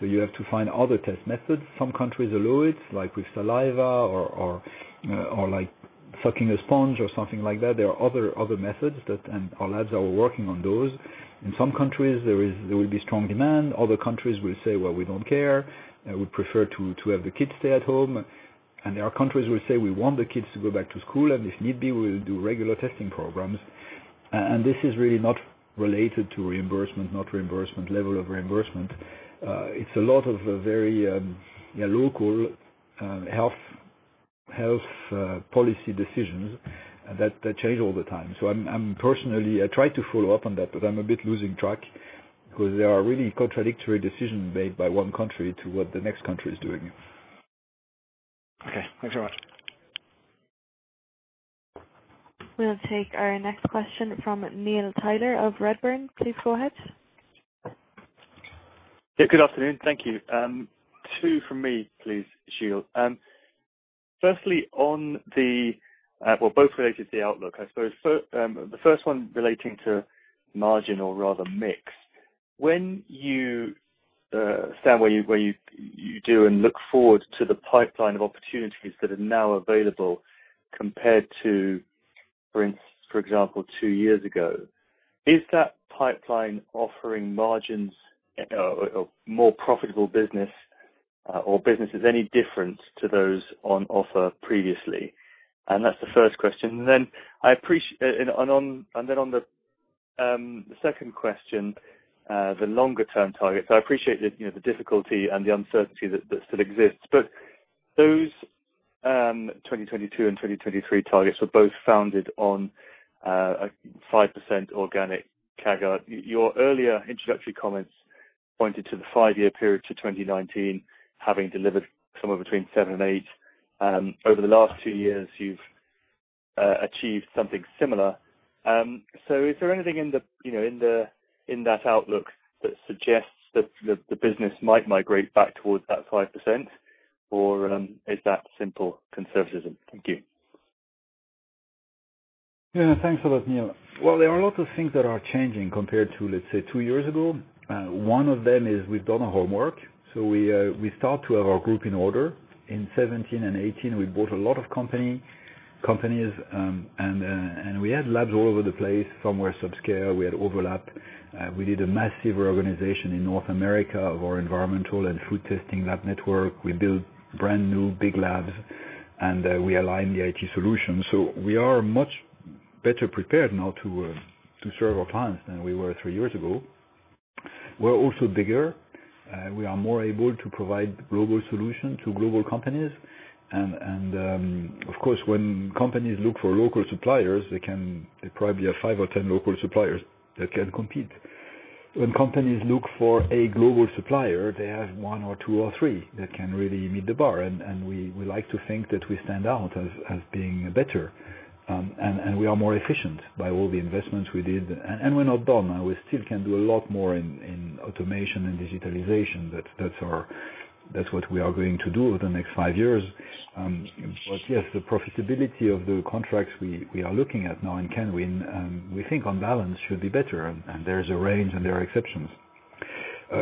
You have to find other test methods. Some countries allow it, like with saliva or sucking a sponge or something like that. There are other methods. Our labs are working on those. In some countries, there will be strong demand. Other countries will say, "Well, we don't care. We prefer to have the kids stay at home." There are countries who will say, "We want the kids to go back to school, and if need be, we'll do regular testing programs." This is really not related to reimbursement, not reimbursement, level of reimbursement. It's a lot of very local health policy decisions that change all the time. I'm personally, I try to follow up on that, but I'm a bit losing track because there are really contradictory decisions made by one country to what the next country is doing. Okay. Thanks very much. We'll take our next question from Neil Tyler of Redburn. Please go ahead. Yeah, good afternoon. Thank you. Two from me, please, Gilles. Firstly, on the well, both related to the outlook, I suppose. The first one relating to margin or rather mix. When you stand where you do and look forward to the pipeline of opportunities that are now available compared to, for example, two years ago, is that pipeline offering margins or more profitable business or business any different to those on offer previously? That's the first question. Then on the second question, the longer-term targets. I appreciate the difficulty and the uncertainty that still exists, but those 2022 and 2023 targets were both founded on a 5% organic CAGR. Your earlier introductory comments pointed to the five-year period to 2019, having delivered somewhere between 7% and 8%. Over the last two years, you've achieved something similar. Is there anything in that outlook that suggests that the business might migrate back towards that 5% or is that simple conservatism? Thank you. Yeah. Thanks a lot, Neil. There are a lot of things that are changing compared to, let's say, two years ago. One of them is we've done our homework. We start to have our group in order. In 2017 and 2018, we bought a lot of companies, and we had labs all over the place. Some were sub-scale. We had overlap. We did a massive reorganization in North America of our environmental and food testing lab network. We built brand-new big labs, and we aligned the IT solution. We are much better prepared now to serve our clients than we were three years ago. We're also bigger. We are more able to provide global solution to global companies. Of course, when companies look for local suppliers, they probably have five or 10 local suppliers that can compete. When companies look for a global supplier, they have one or two or three that can really meet the bar. We like to think that we stand out as being better. We are more efficient by all the investments we did, and we're not done. We still can do a lot more in automation and digitalization. That's what we are going to do over the next five years. Yes, the profitability of the contracts we are looking at now and winning, we think on balance should be better, and there is a range and there are exceptions.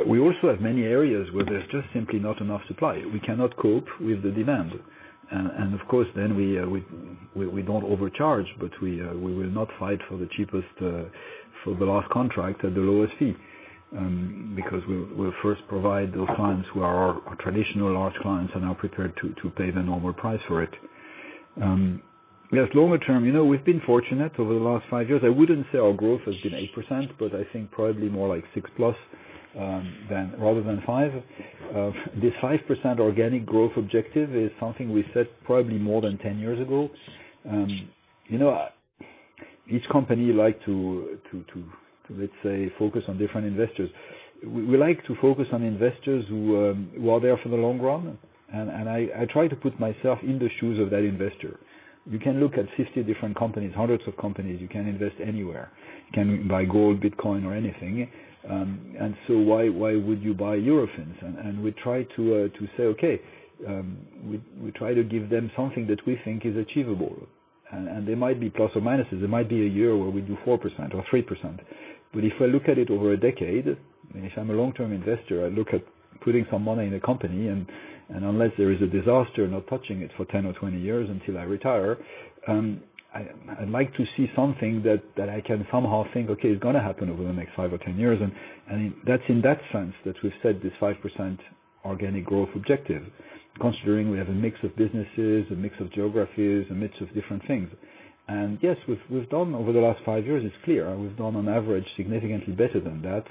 We also have many areas where there's just simply not enough supply. We cannot cope with the demand. Of course, then we don't overcharge, but we will not fight for the cheapest for the last contract at the lowest fee, because we'll first provide those clients who are our traditional large clients and are prepared to pay the normal price for it. Yes, longer term, we've been fortunate over the last five years. I wouldn't say our growth has been 8%, but I think probably more like six plus rather than five. This 5% organic growth objective is something we set probably more than 10 years ago. Each company like to, let's say, focus on different investors. We like to focus on investors who are there for the long run. I try to put myself in the shoes of that investor. You can look at 50 different companies, hundreds of companies. You can invest anywhere. You can buy gold, Bitcoin, or anything. Why would you buy Eurofins? We try to say, okay, we try to give them something that we think is achievable. There might be plus or minuses. There might be a year where we do 4% or 3%. If I look at it over a decade, if I'm a long-term investor, I look at putting some money in a company, and unless there is a disaster, not touching it for 10 or 20 years until I retire, I'd like to see something that I can somehow think, okay, it's going to happen over the next five or 10 years. That's in that sense that we've set this 5% organic growth objective, considering we have a mix of businesses, a mix of geographies, a mix of different things. Yes, we've done over the last five years, it's clear, we've done on average, significantly better than that,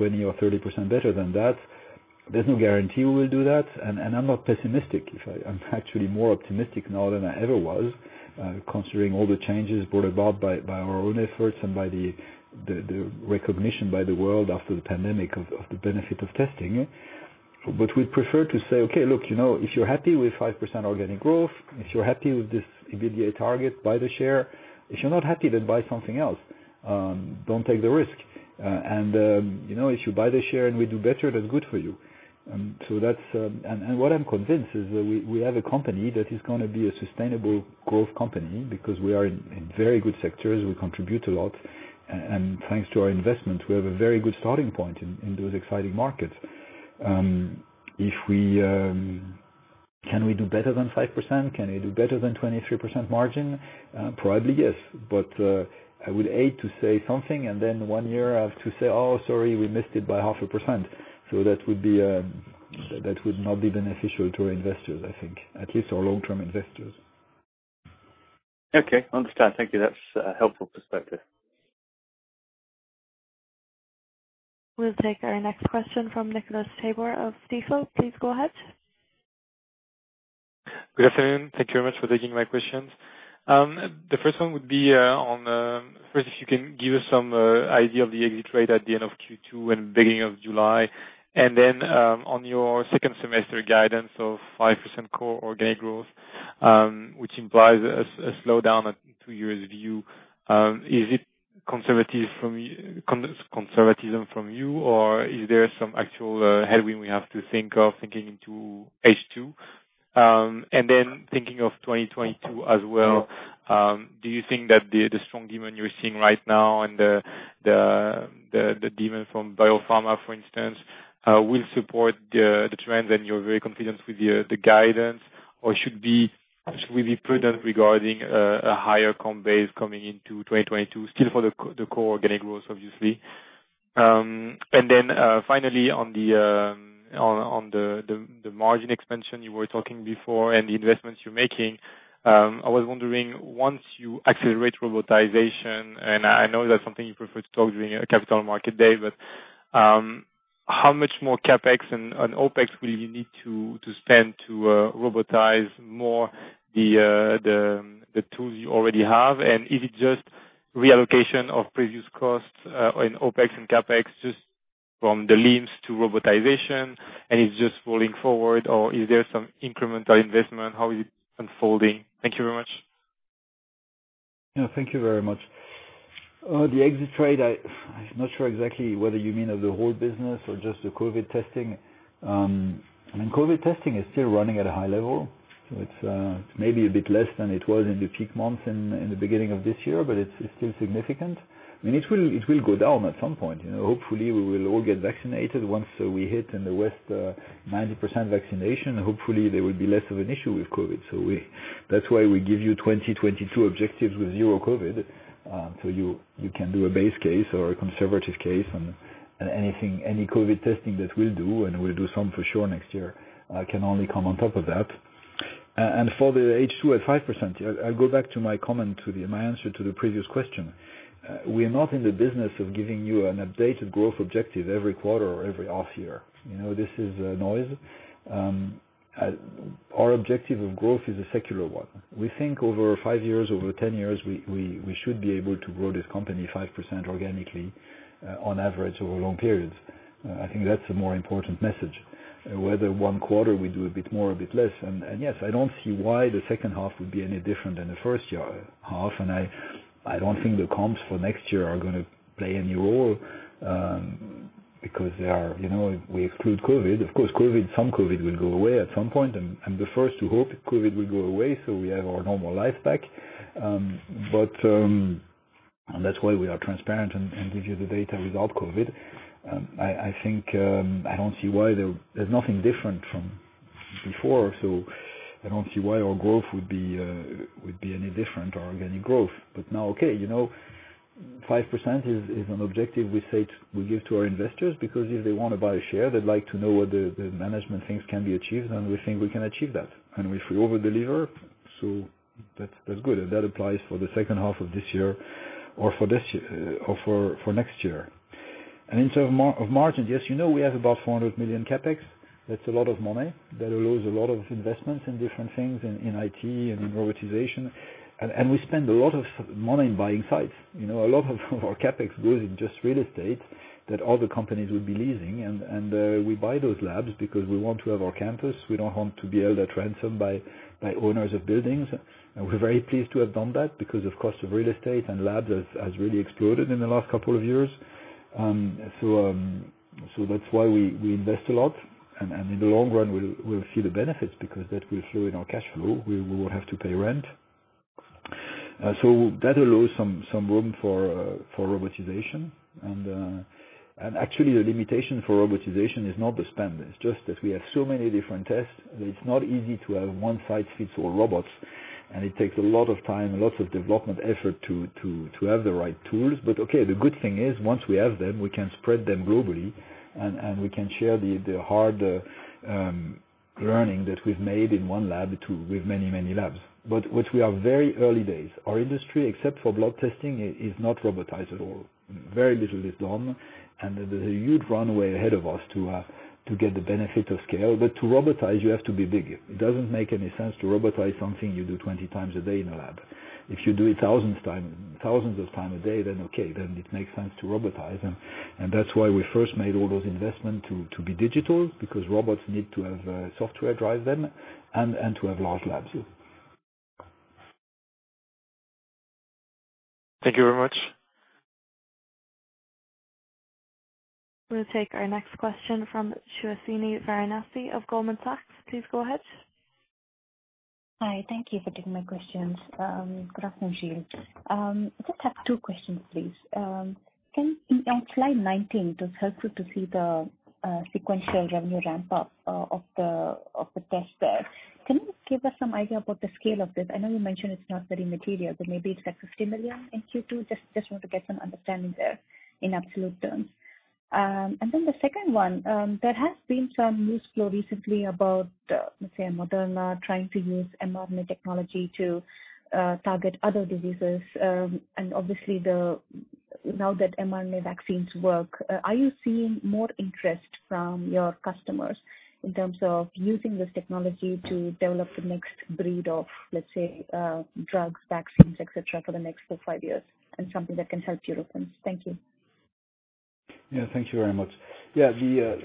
20% or 30% better than that. There's no guarantee we will do that, and I'm not pessimistic. I'm actually more optimistic now than I ever was, considering all the changes brought about by our own efforts and by the recognition by the world after the pandemic of the benefit of testing. We prefer to say, okay, look, if you're happy with 5% organic growth, if you're happy with this EBITDA target, buy the share. If you're not happy, buy something else. Don't take the risk. If you buy the share and we do better, that's good for you. What I'm convinced is that we have a company that is going to be a sustainable growth company because we are in very good sectors. We contribute a lot. Thanks to our investment, we have a very good starting point in those exciting markets. Can we do better than 5%? Can we do better than 23% margin? Probably yes. I would hate to say something and then one year have to say, "Oh, sorry, we missed it by half a percent." That would not be beneficial to our investors, I think, at least our long-term investors. Okay, understand. Thank you. That's a helpful perspective. We'll take our next question from Nicolas Tabor of Stifel. Please go ahead. Good afternoon. Thank you very much for taking my questions. The first one would be on, first, if you can give us some idea of the exit rate at the end of Q2 and beginning of July, and then on your second semester guidance of 5% core organic growth, which implies a slowdown in two years view. Is it conservatism from you, or is there some actual headwind we have to think of thinking into H2? Thinking of 2022 as well, do you think that the strong demand you're seeing right now and the demand from biopharma, for instance, will support the trends and you're very confident with the guidance, or should we be prudent regarding a higher comp base coming into 2022, still for the core organic growth, obviously? Then finally, on the margin expansion you were talking before and the investments you're making, I was wondering, once you accelerate robotization, and I know that's something you prefer to talk during a capital market day, but how much more CapEx and OpEx will you need to spend to robotize more the tools you already have? Is it just reallocation of previous costs in OpEx and CapEx just from the LIMS to robotization, and it's just rolling forward, or is there some incremental investment? How is it unfolding? Thank you very much. Yeah, thank you very much. The exit trade, I'm not sure exactly whether you mean of the whole business or just the COVID testing. I mean, COVID testing is still running at a high level, so it's maybe a bit less than it was in the peak months in the beginning of this year, but it's still significant. I mean, it will go down at some point. Hopefully, we will all get vaccinated. Once we hit in the West 90% vaccination, hopefully, there will be less of an issue with COVID. That's why we give you 2022 objectives with zero COVID, so you can do a base case or a conservative case, and any COVID testing that we'll do, and we'll do some for sure next year, can only come on top of that. For the H2 at 5%, I'll go back to my comment, my answer to the previous question. We're not in the business of giving you an updated growth objective every quarter or every half year. This is noise. Our objective of growth is a secular one. We think over five years, over 10 years, we should be able to grow this company 5% organically on average over long periods. I think that's a more important message. Whether one quarter we do a bit more, a bit less, and yes, I don't see why the second half would be any different than the first half. I don't think the comps for next year are going to play any role because we exclude COVID. Of course, some COVID will go away at some point. I'm the first to hope COVID will go away so we have our normal life back. That's why we are transparent and give you the data without COVID. There's nothing different from before, so I don't see why our growth would be any different, our organic growth. Now, okay, 5% is an objective we give to our investors because if they want to buy a share, they'd like to know what the management thinks can be achieved, and we think we can achieve that. If we over-deliver, that's good. That applies for the second half of this year or for next year. In terms of margins, yes, you know we have about 400 million CapEx. That's a lot of money. That allows a lot of investments in different things, in IT and in robotization. We spend a lot of money buying sites. A lot of our CapEx goes in just real estate that other companies would be leasing. We buy those labs because we want to have our campus. We don't want to be held at ransom by owners of buildings. We're very pleased to have done that because of cost of real estate and labs has really exploded in the last couple of years. That's why we invest a lot. In the long run, we'll see the benefits because that will show in our cash flow. We won't have to pay rent. That allows some room for robotization. Actually, the limitation for robotization is not the spend. It's just that we have so many different tests that it's not easy to have one size fits all robots, and it takes a lot of time and lots of development effort to have the right tools. Okay, the good thing is once we have them, we can spread them globally, and we can share the hard learning that we've made in one lab with many, many labs. We are very early days. Our industry, except for blood testing, is not robotized at all. Very little is done. There's a huge runway ahead of us to get the benefit of scale. To robotize, you have to be big. It doesn't make any sense to robotize something you do 20x a day in a lab. If you do it thousands of times a day, then okay, then it makes sense to robotize. That's why we first made all those investment to be digital, because robots need to have software drive them and to have large labs too. Thank you very much. We'll take our next question from Suhasini Varanasi of Goldman Sachs. Please go ahead. Hi. Thank you for taking my questions. Good afternoon, Gilles. I just have two questions, please. On slide 19, it was helpful to see the sequential revenue ramp up of the test there. Can you just give us some idea about the scale of this? I know you mentioned it's not very material, but maybe it's like 15 million in Q2. Just want to get some understanding there in absolute terms. Then the second one, there has been some news flow recently about, let's say, Moderna trying to use mRNA technology to target other diseases. Obviously now that mRNA vaccines work, are you seeing more interest from your customers in terms of using this technology to develop the next breed of, let's say, drugs, vaccines, et cetera, for the next four, five years and something that can help Eurofins? Thank you. Thank you very much. The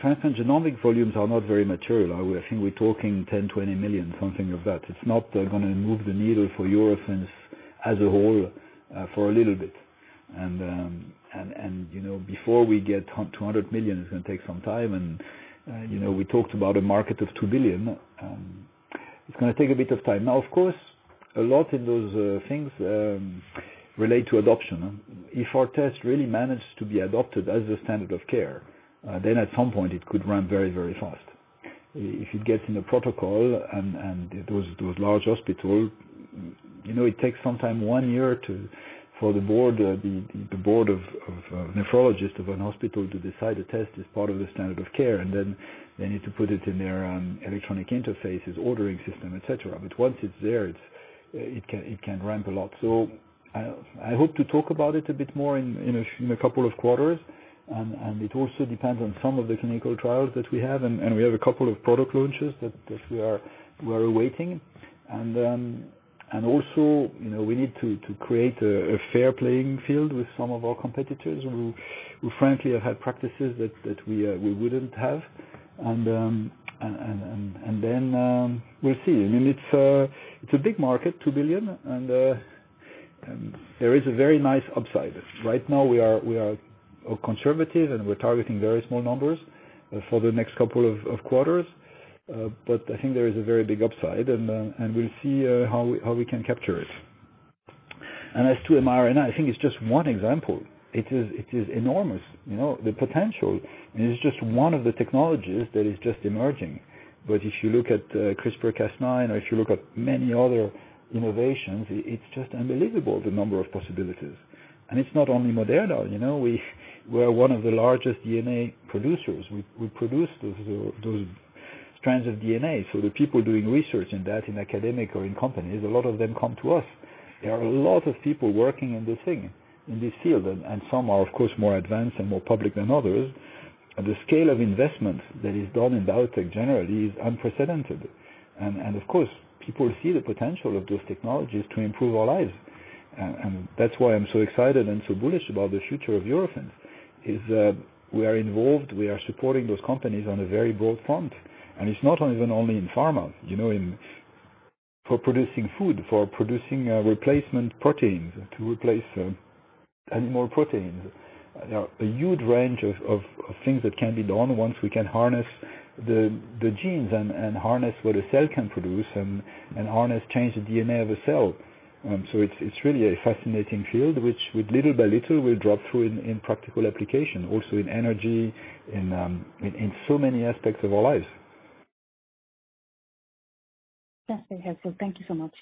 Transplant Genomics volumes are not very material. I think we're talking 10 million, 20 million, something like that. It's not going to move the needle for Eurofins as a whole for a little bit. Before we get to 100 million, it's going to take some time. We talked about a market of 2 billion. It's going to take a bit of time. Of course, a lot of those things relate to adoption. If our test really managed to be adopted as a standard of care, then at some point it could run very, very fast. If it gets in the protocol and those large hospital, it takes some time, one year or two, for the board of nephrologists of a hospital to decide a test is part of the standard of care, and then they need to put it in their electronic interfaces, ordering system, et cetera. Once it's there, it can ramp a lot. I hope to talk about it a bit more in a couple of quarters. It also depends on some of the clinical trials that we have, and we have a couple of product launches that we are awaiting. Also, we need to create a fair playing field with some of our competitors who frankly have had practices that we wouldn't have. Then we'll see. It's a big market, 2 billion, and there is a very nice upside. Right now we are conservative, and we're targeting very small numbers for the next couple of quarters. I think there is a very big upside, and we'll see how we can capture it. As to mRNA, I think it's just one example. It is enormous. The potential is just one of the technologies that is just emerging. If you look at CRISPR-Cas9, or if you look at many other innovations, it's just unbelievable the number of possibilities. It's not only Moderna. We're one of the largest DNA producers. We produce those strands of DNA. The people doing research in that in academic or in companies, a lot of them come to us. There are a lot of people working in this thing, in this field, and some are of course more advanced and more public than others. The scale of investment that is done in biotech generally is unprecedented. Of course, people see the potential of those technologies to improve our lives. That's why I'm so excited and so bullish about the future of Eurofins, is we are involved. We are supporting those companies on a very broad front. It's not even only in pharma. For producing food, for producing replacement proteins to replace animal proteins. There are a huge range of things that can be done once we can harness the genes and harness what a cell can produce and harness change the DNA of a cell. It's really a fascinating field, which little by little will drop through in practical application, also in energy, in so many aspects of our lives. That is very helpful. Thank you so much.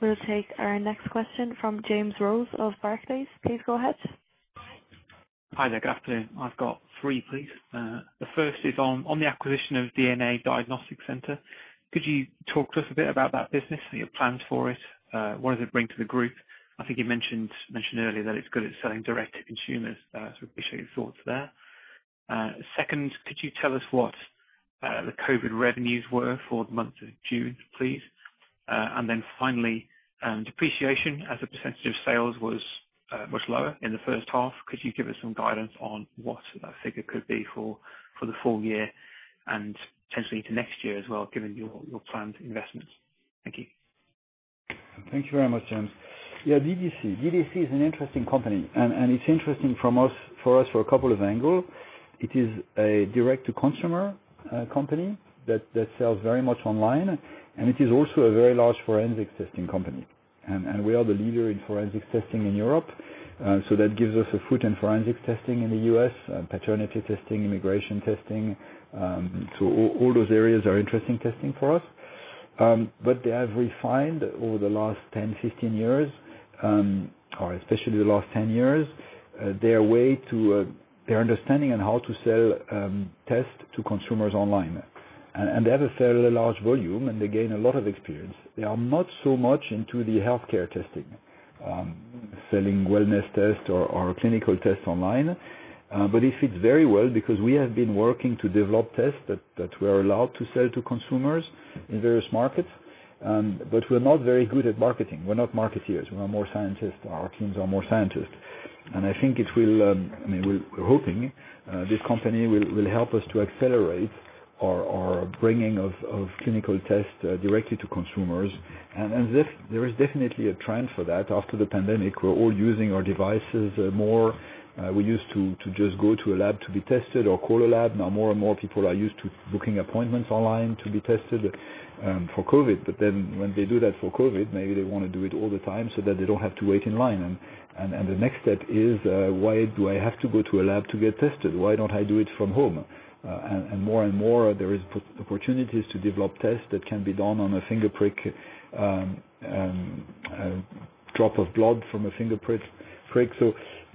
We'll take our next question from James Rose of Barclays. Please go ahead. Hi there. Good afternoon. I've got three, please. The first is on the acquisition of DNA Diagnostics Center. Could you talk to us a bit about that business and your plans for it? What does it bring to the group? I think you mentioned earlier that it's good at selling direct to consumers, so I'd appreciate your thoughts there. Second, could you tell us what the COVID revenues were for the month of June, please? Finally, depreciation as a % of sales was much lower in the first half. Could you give us some guidance on what that figure could be for the full year and potentially into next year as well, given your planned investments? Thank you. Thank you very much, James. Yeah, DDC. DDC is an interesting company, it is interesting for us for a couple of angle. It is a direct-to-consumer company that sells very much online, it is also a very large forensic testing company. We are the leader in forensic testing in Europe. That gives us a foot in forensic testing in the U.S., paternity testing, immigration testing. All those areas are interesting testing for us. They have refined over the last 10, 15 years, or especially the last 10 years, their understanding on how to sell tests to consumers online. They have a fairly large volume, and they gain a lot of experience. They are not so much into the healthcare testing, selling wellness tests or clinical tests online. It fits very well because we have been working to develop tests that we are allowed to sell to consumers in various markets, but we're not very good at marketing. We're not marketeers. We are more scientists. Our teams are more scientists. We're hoping this company will help us to accelerate our bringing of clinical tests directly to consumers. There is definitely a trend for that after the pandemic. We're all using our devices more. We used to just go to a lab to be tested or call a lab. Now more and more people are used to booking appointments online to be tested for COVID. When they do that for COVID, maybe they want to do it all the time so that they don't have to wait in line. The next step is, why do I have to go to a lab to get tested? Why don't I do it from home? More and more, there is opportunities to develop tests that can be done on a drop of blood from a finger prick.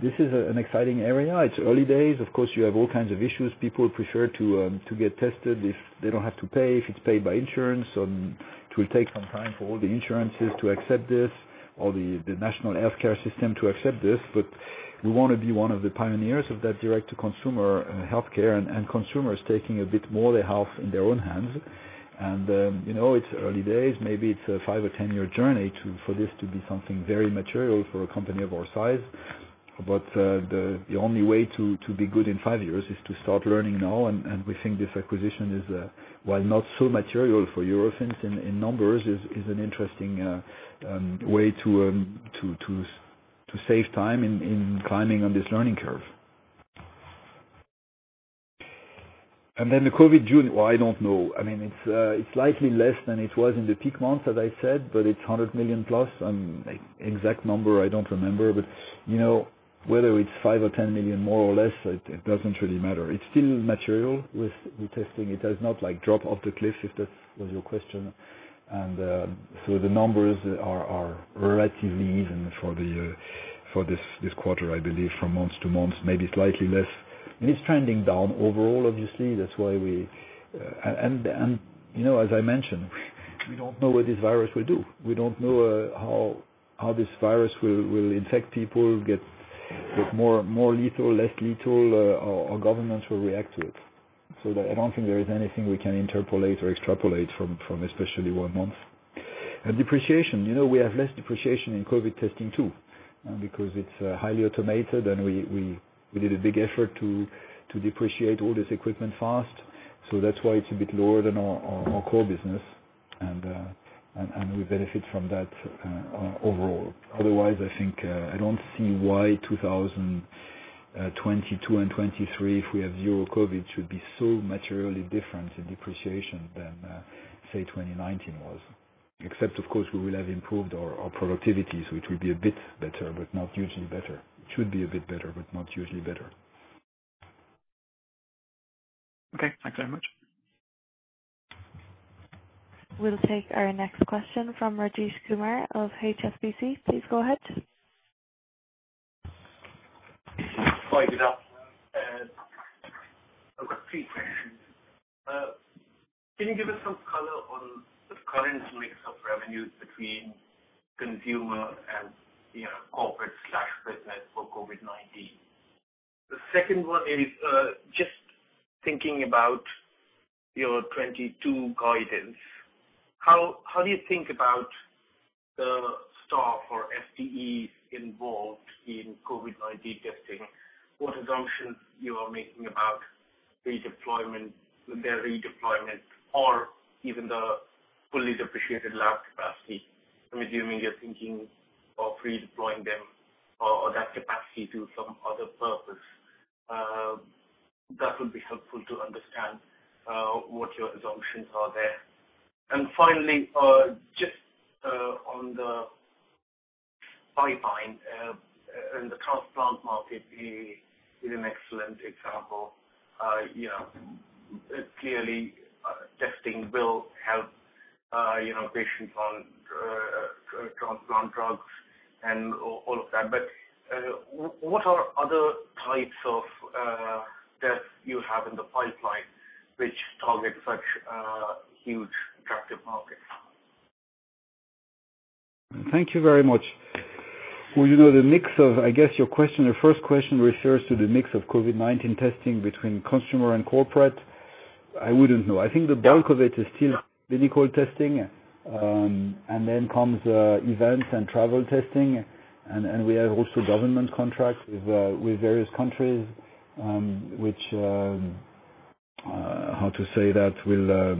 This is an exciting area. It's early days. Of course, you have all kinds of issues. People prefer to get tested if they don't have to pay, if it's paid by insurance. It will take some time for all the insurances to accept this or the national healthcare system to accept this. We want to be one of the pioneers of that direct-to-consumer healthcare, and consumers taking a bit more their health in their own hands. It's early days. Maybe it's a five or 10-year journey for this to be something very material for a company of our size. The only way to be good in five years is to start learning now. We think this acquisition is, while not so material for Eurofins in numbers, is an interesting way to save time in climbing on this learning curve. Then the COVID June. Well, I don't know. It's slightly less than it was in the peak months, as I said, but it's 100 million plus. Exact number, I don't remember. Whether it's 5 million or 10 million, more or less, it doesn't really matter. It's still material with testing. It does not drop off the cliff, if that was your question. So the numbers are relatively even for this quarter, I believe, from month to month. Maybe slightly less. It's trending down overall, obviously. As I mentioned, we don't know what this virus will do. We don't know how this virus will infect people, get more lethal, less lethal, or governments will react to it. I don't think there is anything we can interpolate or extrapolate from especially one month. Depreciation. We have less depreciation in COVID testing, too, because it's highly automated, and we did a big effort to depreciate all this equipment fast. That's why it's a bit lower than our core business, and we benefit from that overall. Otherwise, I think I don't see why 2022 and 2023, if we have zero COVID, should be so materially different in depreciation than, say, 2019 was. Except, of course, we will have improved our productivities, which will be a bit better, but not hugely better. It should be a bit better, but not hugely better. Okay. Thanks very much. We'll take our next question from Rajesh Kumar of HSBC. Please go ahead. Hi, good afternoon. I've got three questions. Can you give us some color on the current mix of revenues between consumer and corporate/business for COVID-19? The second one is just thinking about your 2022 guidance. How do you think about the staff or FTEs involved in COVID-19 testing? What assumptions you are making about their redeployment or even the fully depreciated lab capacity? I'm assuming you're thinking of redeploying them or that capacity to some other purpose. That would be helpful to understand what your assumptions are there. Finally, just on the pipeline and the transplant market is an excellent example. Clearly testing will help patients on transplant drugs and all of that. What are other types of tests you have in the pipeline which target such a huge attractive market? Thank you very much. I guess your first question refers to the mix of COVID-19 testing between consumer and corporate. I wouldn't know. I think the bulk of it is still clinical testing, and then comes event and travel testing, and we have also government contracts with various countries, which, how to say that, will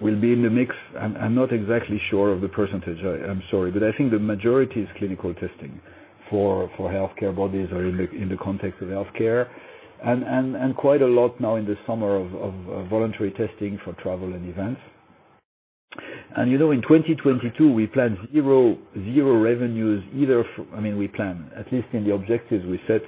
be in the mix. I'm not exactly sure of the percentage, I'm sorry. I think the majority is clinical testing for healthcare bodies or in the context of healthcare, and quite a lot now in the summer of voluntary testing for travel and events. In 2022, we plan, at least in the objectives we set,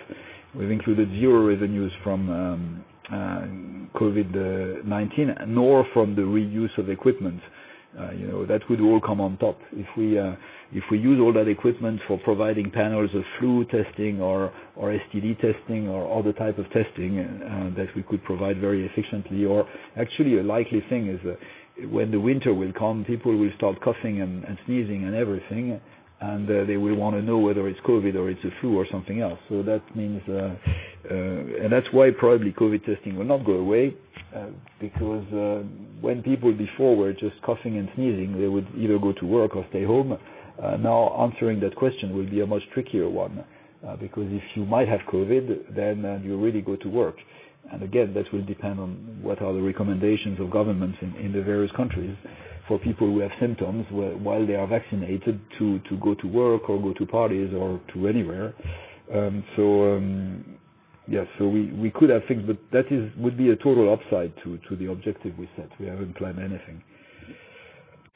we've included 0 revenues from COVID-19, nor from the reuse of equipment. That would all come on top. If we use all that equipment for providing panels of flu testing or STD testing or other type of testing that we could provide very efficiently. Actually, a likely thing is that when the winter will come, people will start coughing and sneezing and everything, and they will want to know whether it's COVID or it's the flu or something else. That's why probably COVID testing will not go away, because when people before were just coughing and sneezing, they would either go to work or stay home. Now answering that question will be a much trickier one. If you might have COVID, then you really go to work. Again, that will depend on what are the recommendations of governments in the various countries for people who have symptoms while they are vaccinated to go to work or go to parties or to anywhere. Yes, we could have things, but that would be a total upside to the objective we set. We haven't planned anything.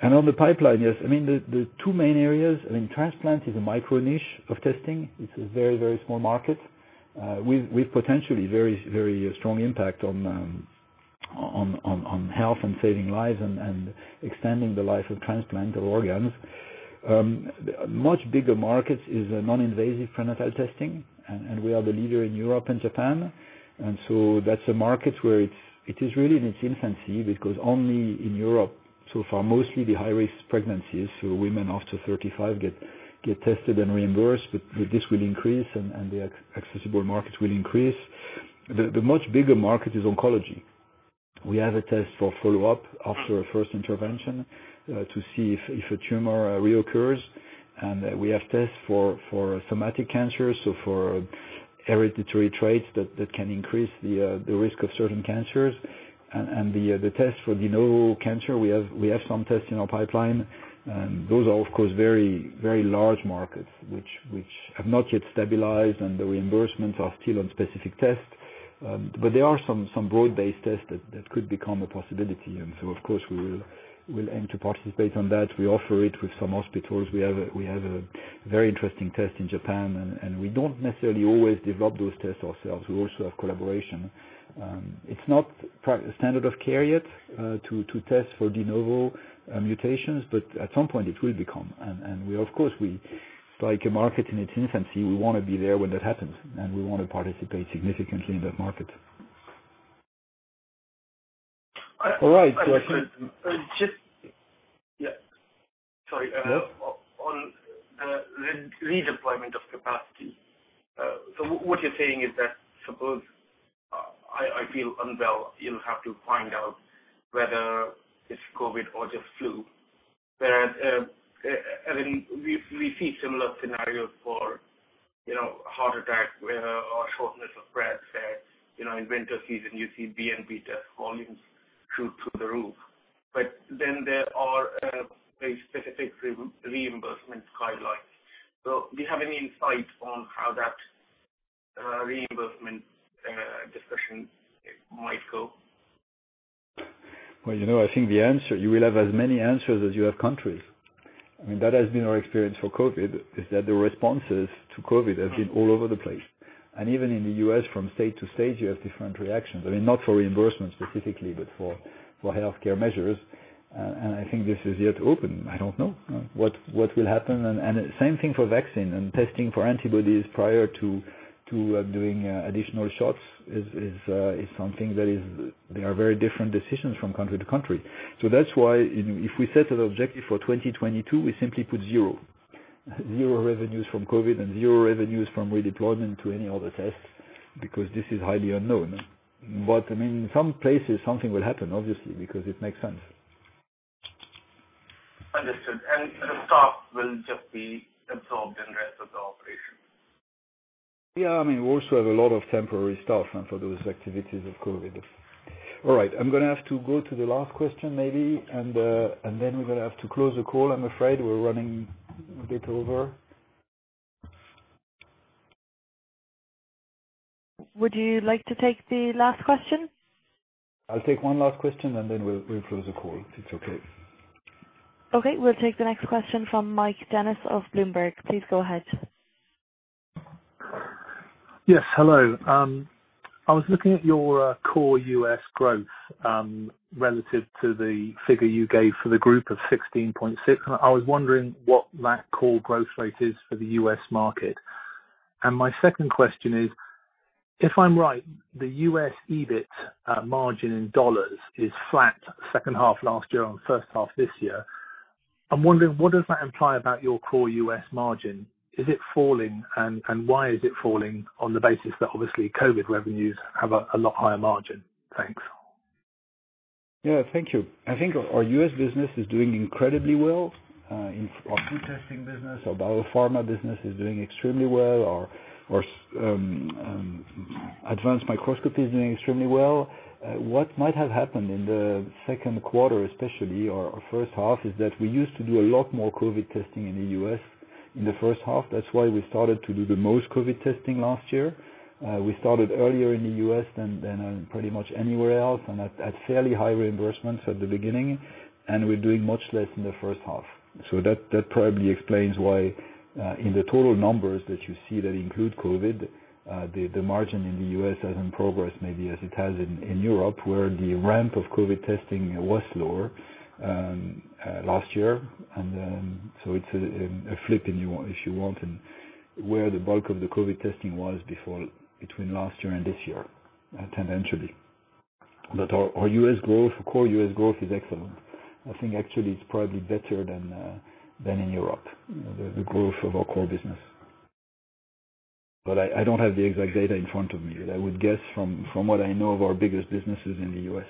On the pipeline, yes. The two main areas, transplant is a micro niche of testing. It's a very, very small market, with potentially very strong impact on health and saving lives and extending the life of transplant of organs. Much bigger markets is non-invasive prenatal testing, and we are the leader in Europe and Japan. That's a market where it is really in its infancy, because only in Europe, so far, mostly the high-risk pregnancies. Women after 35 get tested and reimbursed, but this will increase, and the accessible market will increase. The much bigger market is oncology. We have a test for follow-up after a first intervention to see if a tumor reoccurs, and we have tests for somatic cancer, so for hereditary traits that can increase the risk of certain cancers. The test for de novo cancer, we have some tests in our pipeline. Those are, of course, very large markets, which have not yet stabilized, and the reimbursements are still on specific tests. There are some broad-based tests that could become a possibility. Of course, we'll aim to participate on that. We offer it with some hospitals. We have a very interesting test in Japan, and we don't necessarily always develop those tests ourselves. We also have collaboration. It's not standard of care yet to test for de novo mutations, but at some point, it will become. Of course, it's like a market in its infancy. We want to be there when that happens, and we want to participate significantly in that market. All right. Sorry. Yeah. On the redeployment of capacity. What you're saying is that suppose I feel unwell, you'll have to find out whether it's COVID or just flu. We see similar scenarios for heart attack or shortness of breath. In winter season, you see BNP test volumes shoot through the roof. There are very specific reimbursement guidelines. Do you have any insight on how that reimbursement discussion might go? Well, I think you will have as many answers as you have countries. That has been our experience for COVID, is that the responses to COVID have been all over the place. Even in the U.S., from state to state, you have different reactions. Not for reimbursement specifically, but for healthcare measures. I think this is yet to open. I don't know what will happen. Same thing for vaccine and testing for antibodies prior to doing additional shots is something that they are very different decisions from country to country. That's why if we set an objective for 2022, we simply put zero. Zero revenues from COVID and zero revenues from redeployment to any other tests because this is highly unknown. In some places, something will happen, obviously, because it makes sense. Understood. The staff will just be absorbed in rest of the operation. Yeah. We also have a lot of temporary staff for those activities of COVID. All right. I'm going to have to go to the last question maybe, and then we're going to have to close the call. I'm afraid we're running a bit over. Would you like to take the last question? I'll take one last question, and then we'll close the call, if it's okay. Okay. We'll take the next question from Mike Dennis of Bloomberg. Please go ahead. Yes. Hello. I was looking at your core U.S. growth relative to the figure you gave for the group of 16.6%, and I was wondering what that core growth rate is for the U.S. market. My second question is, if I'm right, the U.S. EBIT margin in dollars is flat second half last year on first half this year. I'm wondering, what does that imply about your core U.S. margin? Is it falling, and why is it falling on the basis that obviously COVID revenues have a lot higher margin? Thanks. Yeah. Thank you. I think our U.S. business is doing incredibly well. Our food testing business, our biopharma business is doing extremely well. Our advanced microscopy is doing extremely well. What might have happened in the second quarter, especially our first half, is that we used to do a lot more COVID testing in the U.S. in the first half. That's why we started to do the most COVID testing last year. We started earlier in the U.S. than pretty much anywhere else, and at fairly high reimbursements at the beginning, and we're doing much less in the first half. That probably explains why in the total numbers that you see that include COVID, the margin in the U.S. hasn't progressed maybe as it has in Europe, where the ramp of COVID testing was lower last year. It's a flip if you want in where the bulk of the COVID testing was before between last year and this year, tendentially. Our U.S. growth, core U.S. growth is excellent. I think actually it's probably better than in Europe, the growth of our core business. I don't have the exact data in front of me. I would guess from what I know of our biggest businesses in the U.S.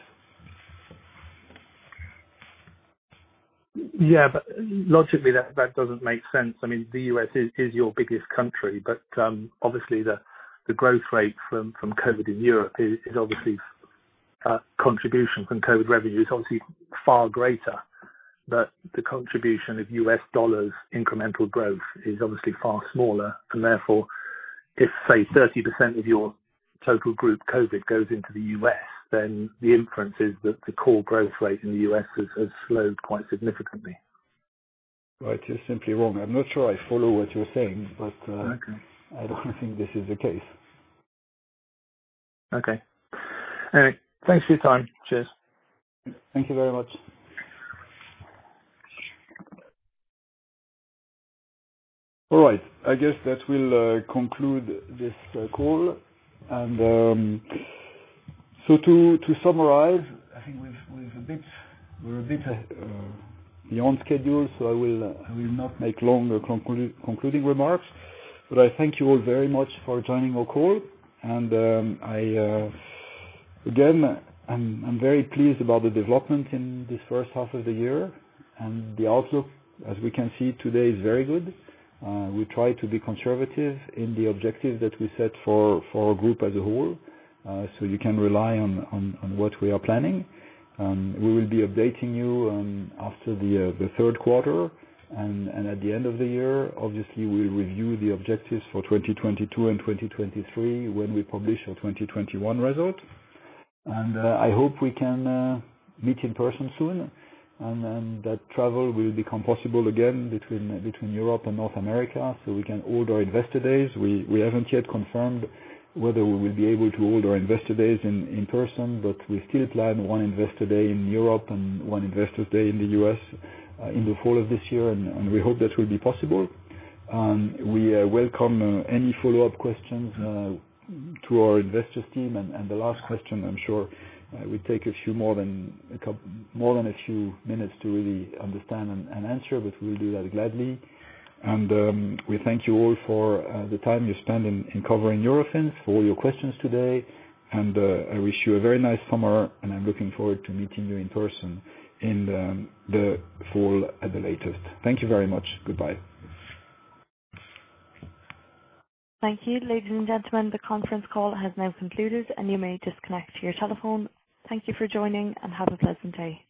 Yeah. Logically, that doesn't make sense. The U.S. is your biggest country, but obviously the growth rate from COVID in Europe is obviously contribution from COVID revenue is obviously far greater, but the contribution of USD incremental growth is obviously far smaller. Therefore, if, say, 30% of your total group COVID goes into the U.S., then the inference is that the core growth rate in the U.S. has slowed quite significantly. Right. You're simply wrong. I'm not sure I follow what you're saying. Okay I don't think this is the case. Okay. Anyway, thanks for your time. Cheers. Thank you very much. All right. I guess that will conclude this call. To summarize, I think we're a bit beyond schedule, so I will not make longer concluding remarks, but I thank you all very much for joining our call, and again, I'm very pleased about the development in this first half of the year and the outlook, as we can see today, is very good. We try to be conservative in the objective that we set for our group as a whole. You can rely on what we are planning. We will be updating you after the third quarter and at the end of the year. Obviously, we'll review the objectives for 2022 and 2023 when we publish our 2021 result. I hope we can meet in person soon and that travel will become possible again between Europe and North America, so we can hold our investor days. We haven't yet confirmed whether we will be able to hold our investor days in person, but we still plan one investor day in Europe and one investor day in the U.S. in the fall of this year, and we hope that will be possible. We welcome any follow-up questions to our investors team. The last question, I'm sure will take more than a few minutes to really understand and answer, but we'll do that gladly. We thank you all for the time you spend in covering Eurofins, for all your questions today, and I wish you a very nice summer, and I'm looking forward to meeting you in person in the fall at the latest. Thank you very much. Goodbye. Thank you, ladies and gentlemen. The conference call has now concluded, and you may disconnect your telephone. Thank you for joining and have a pleasant day.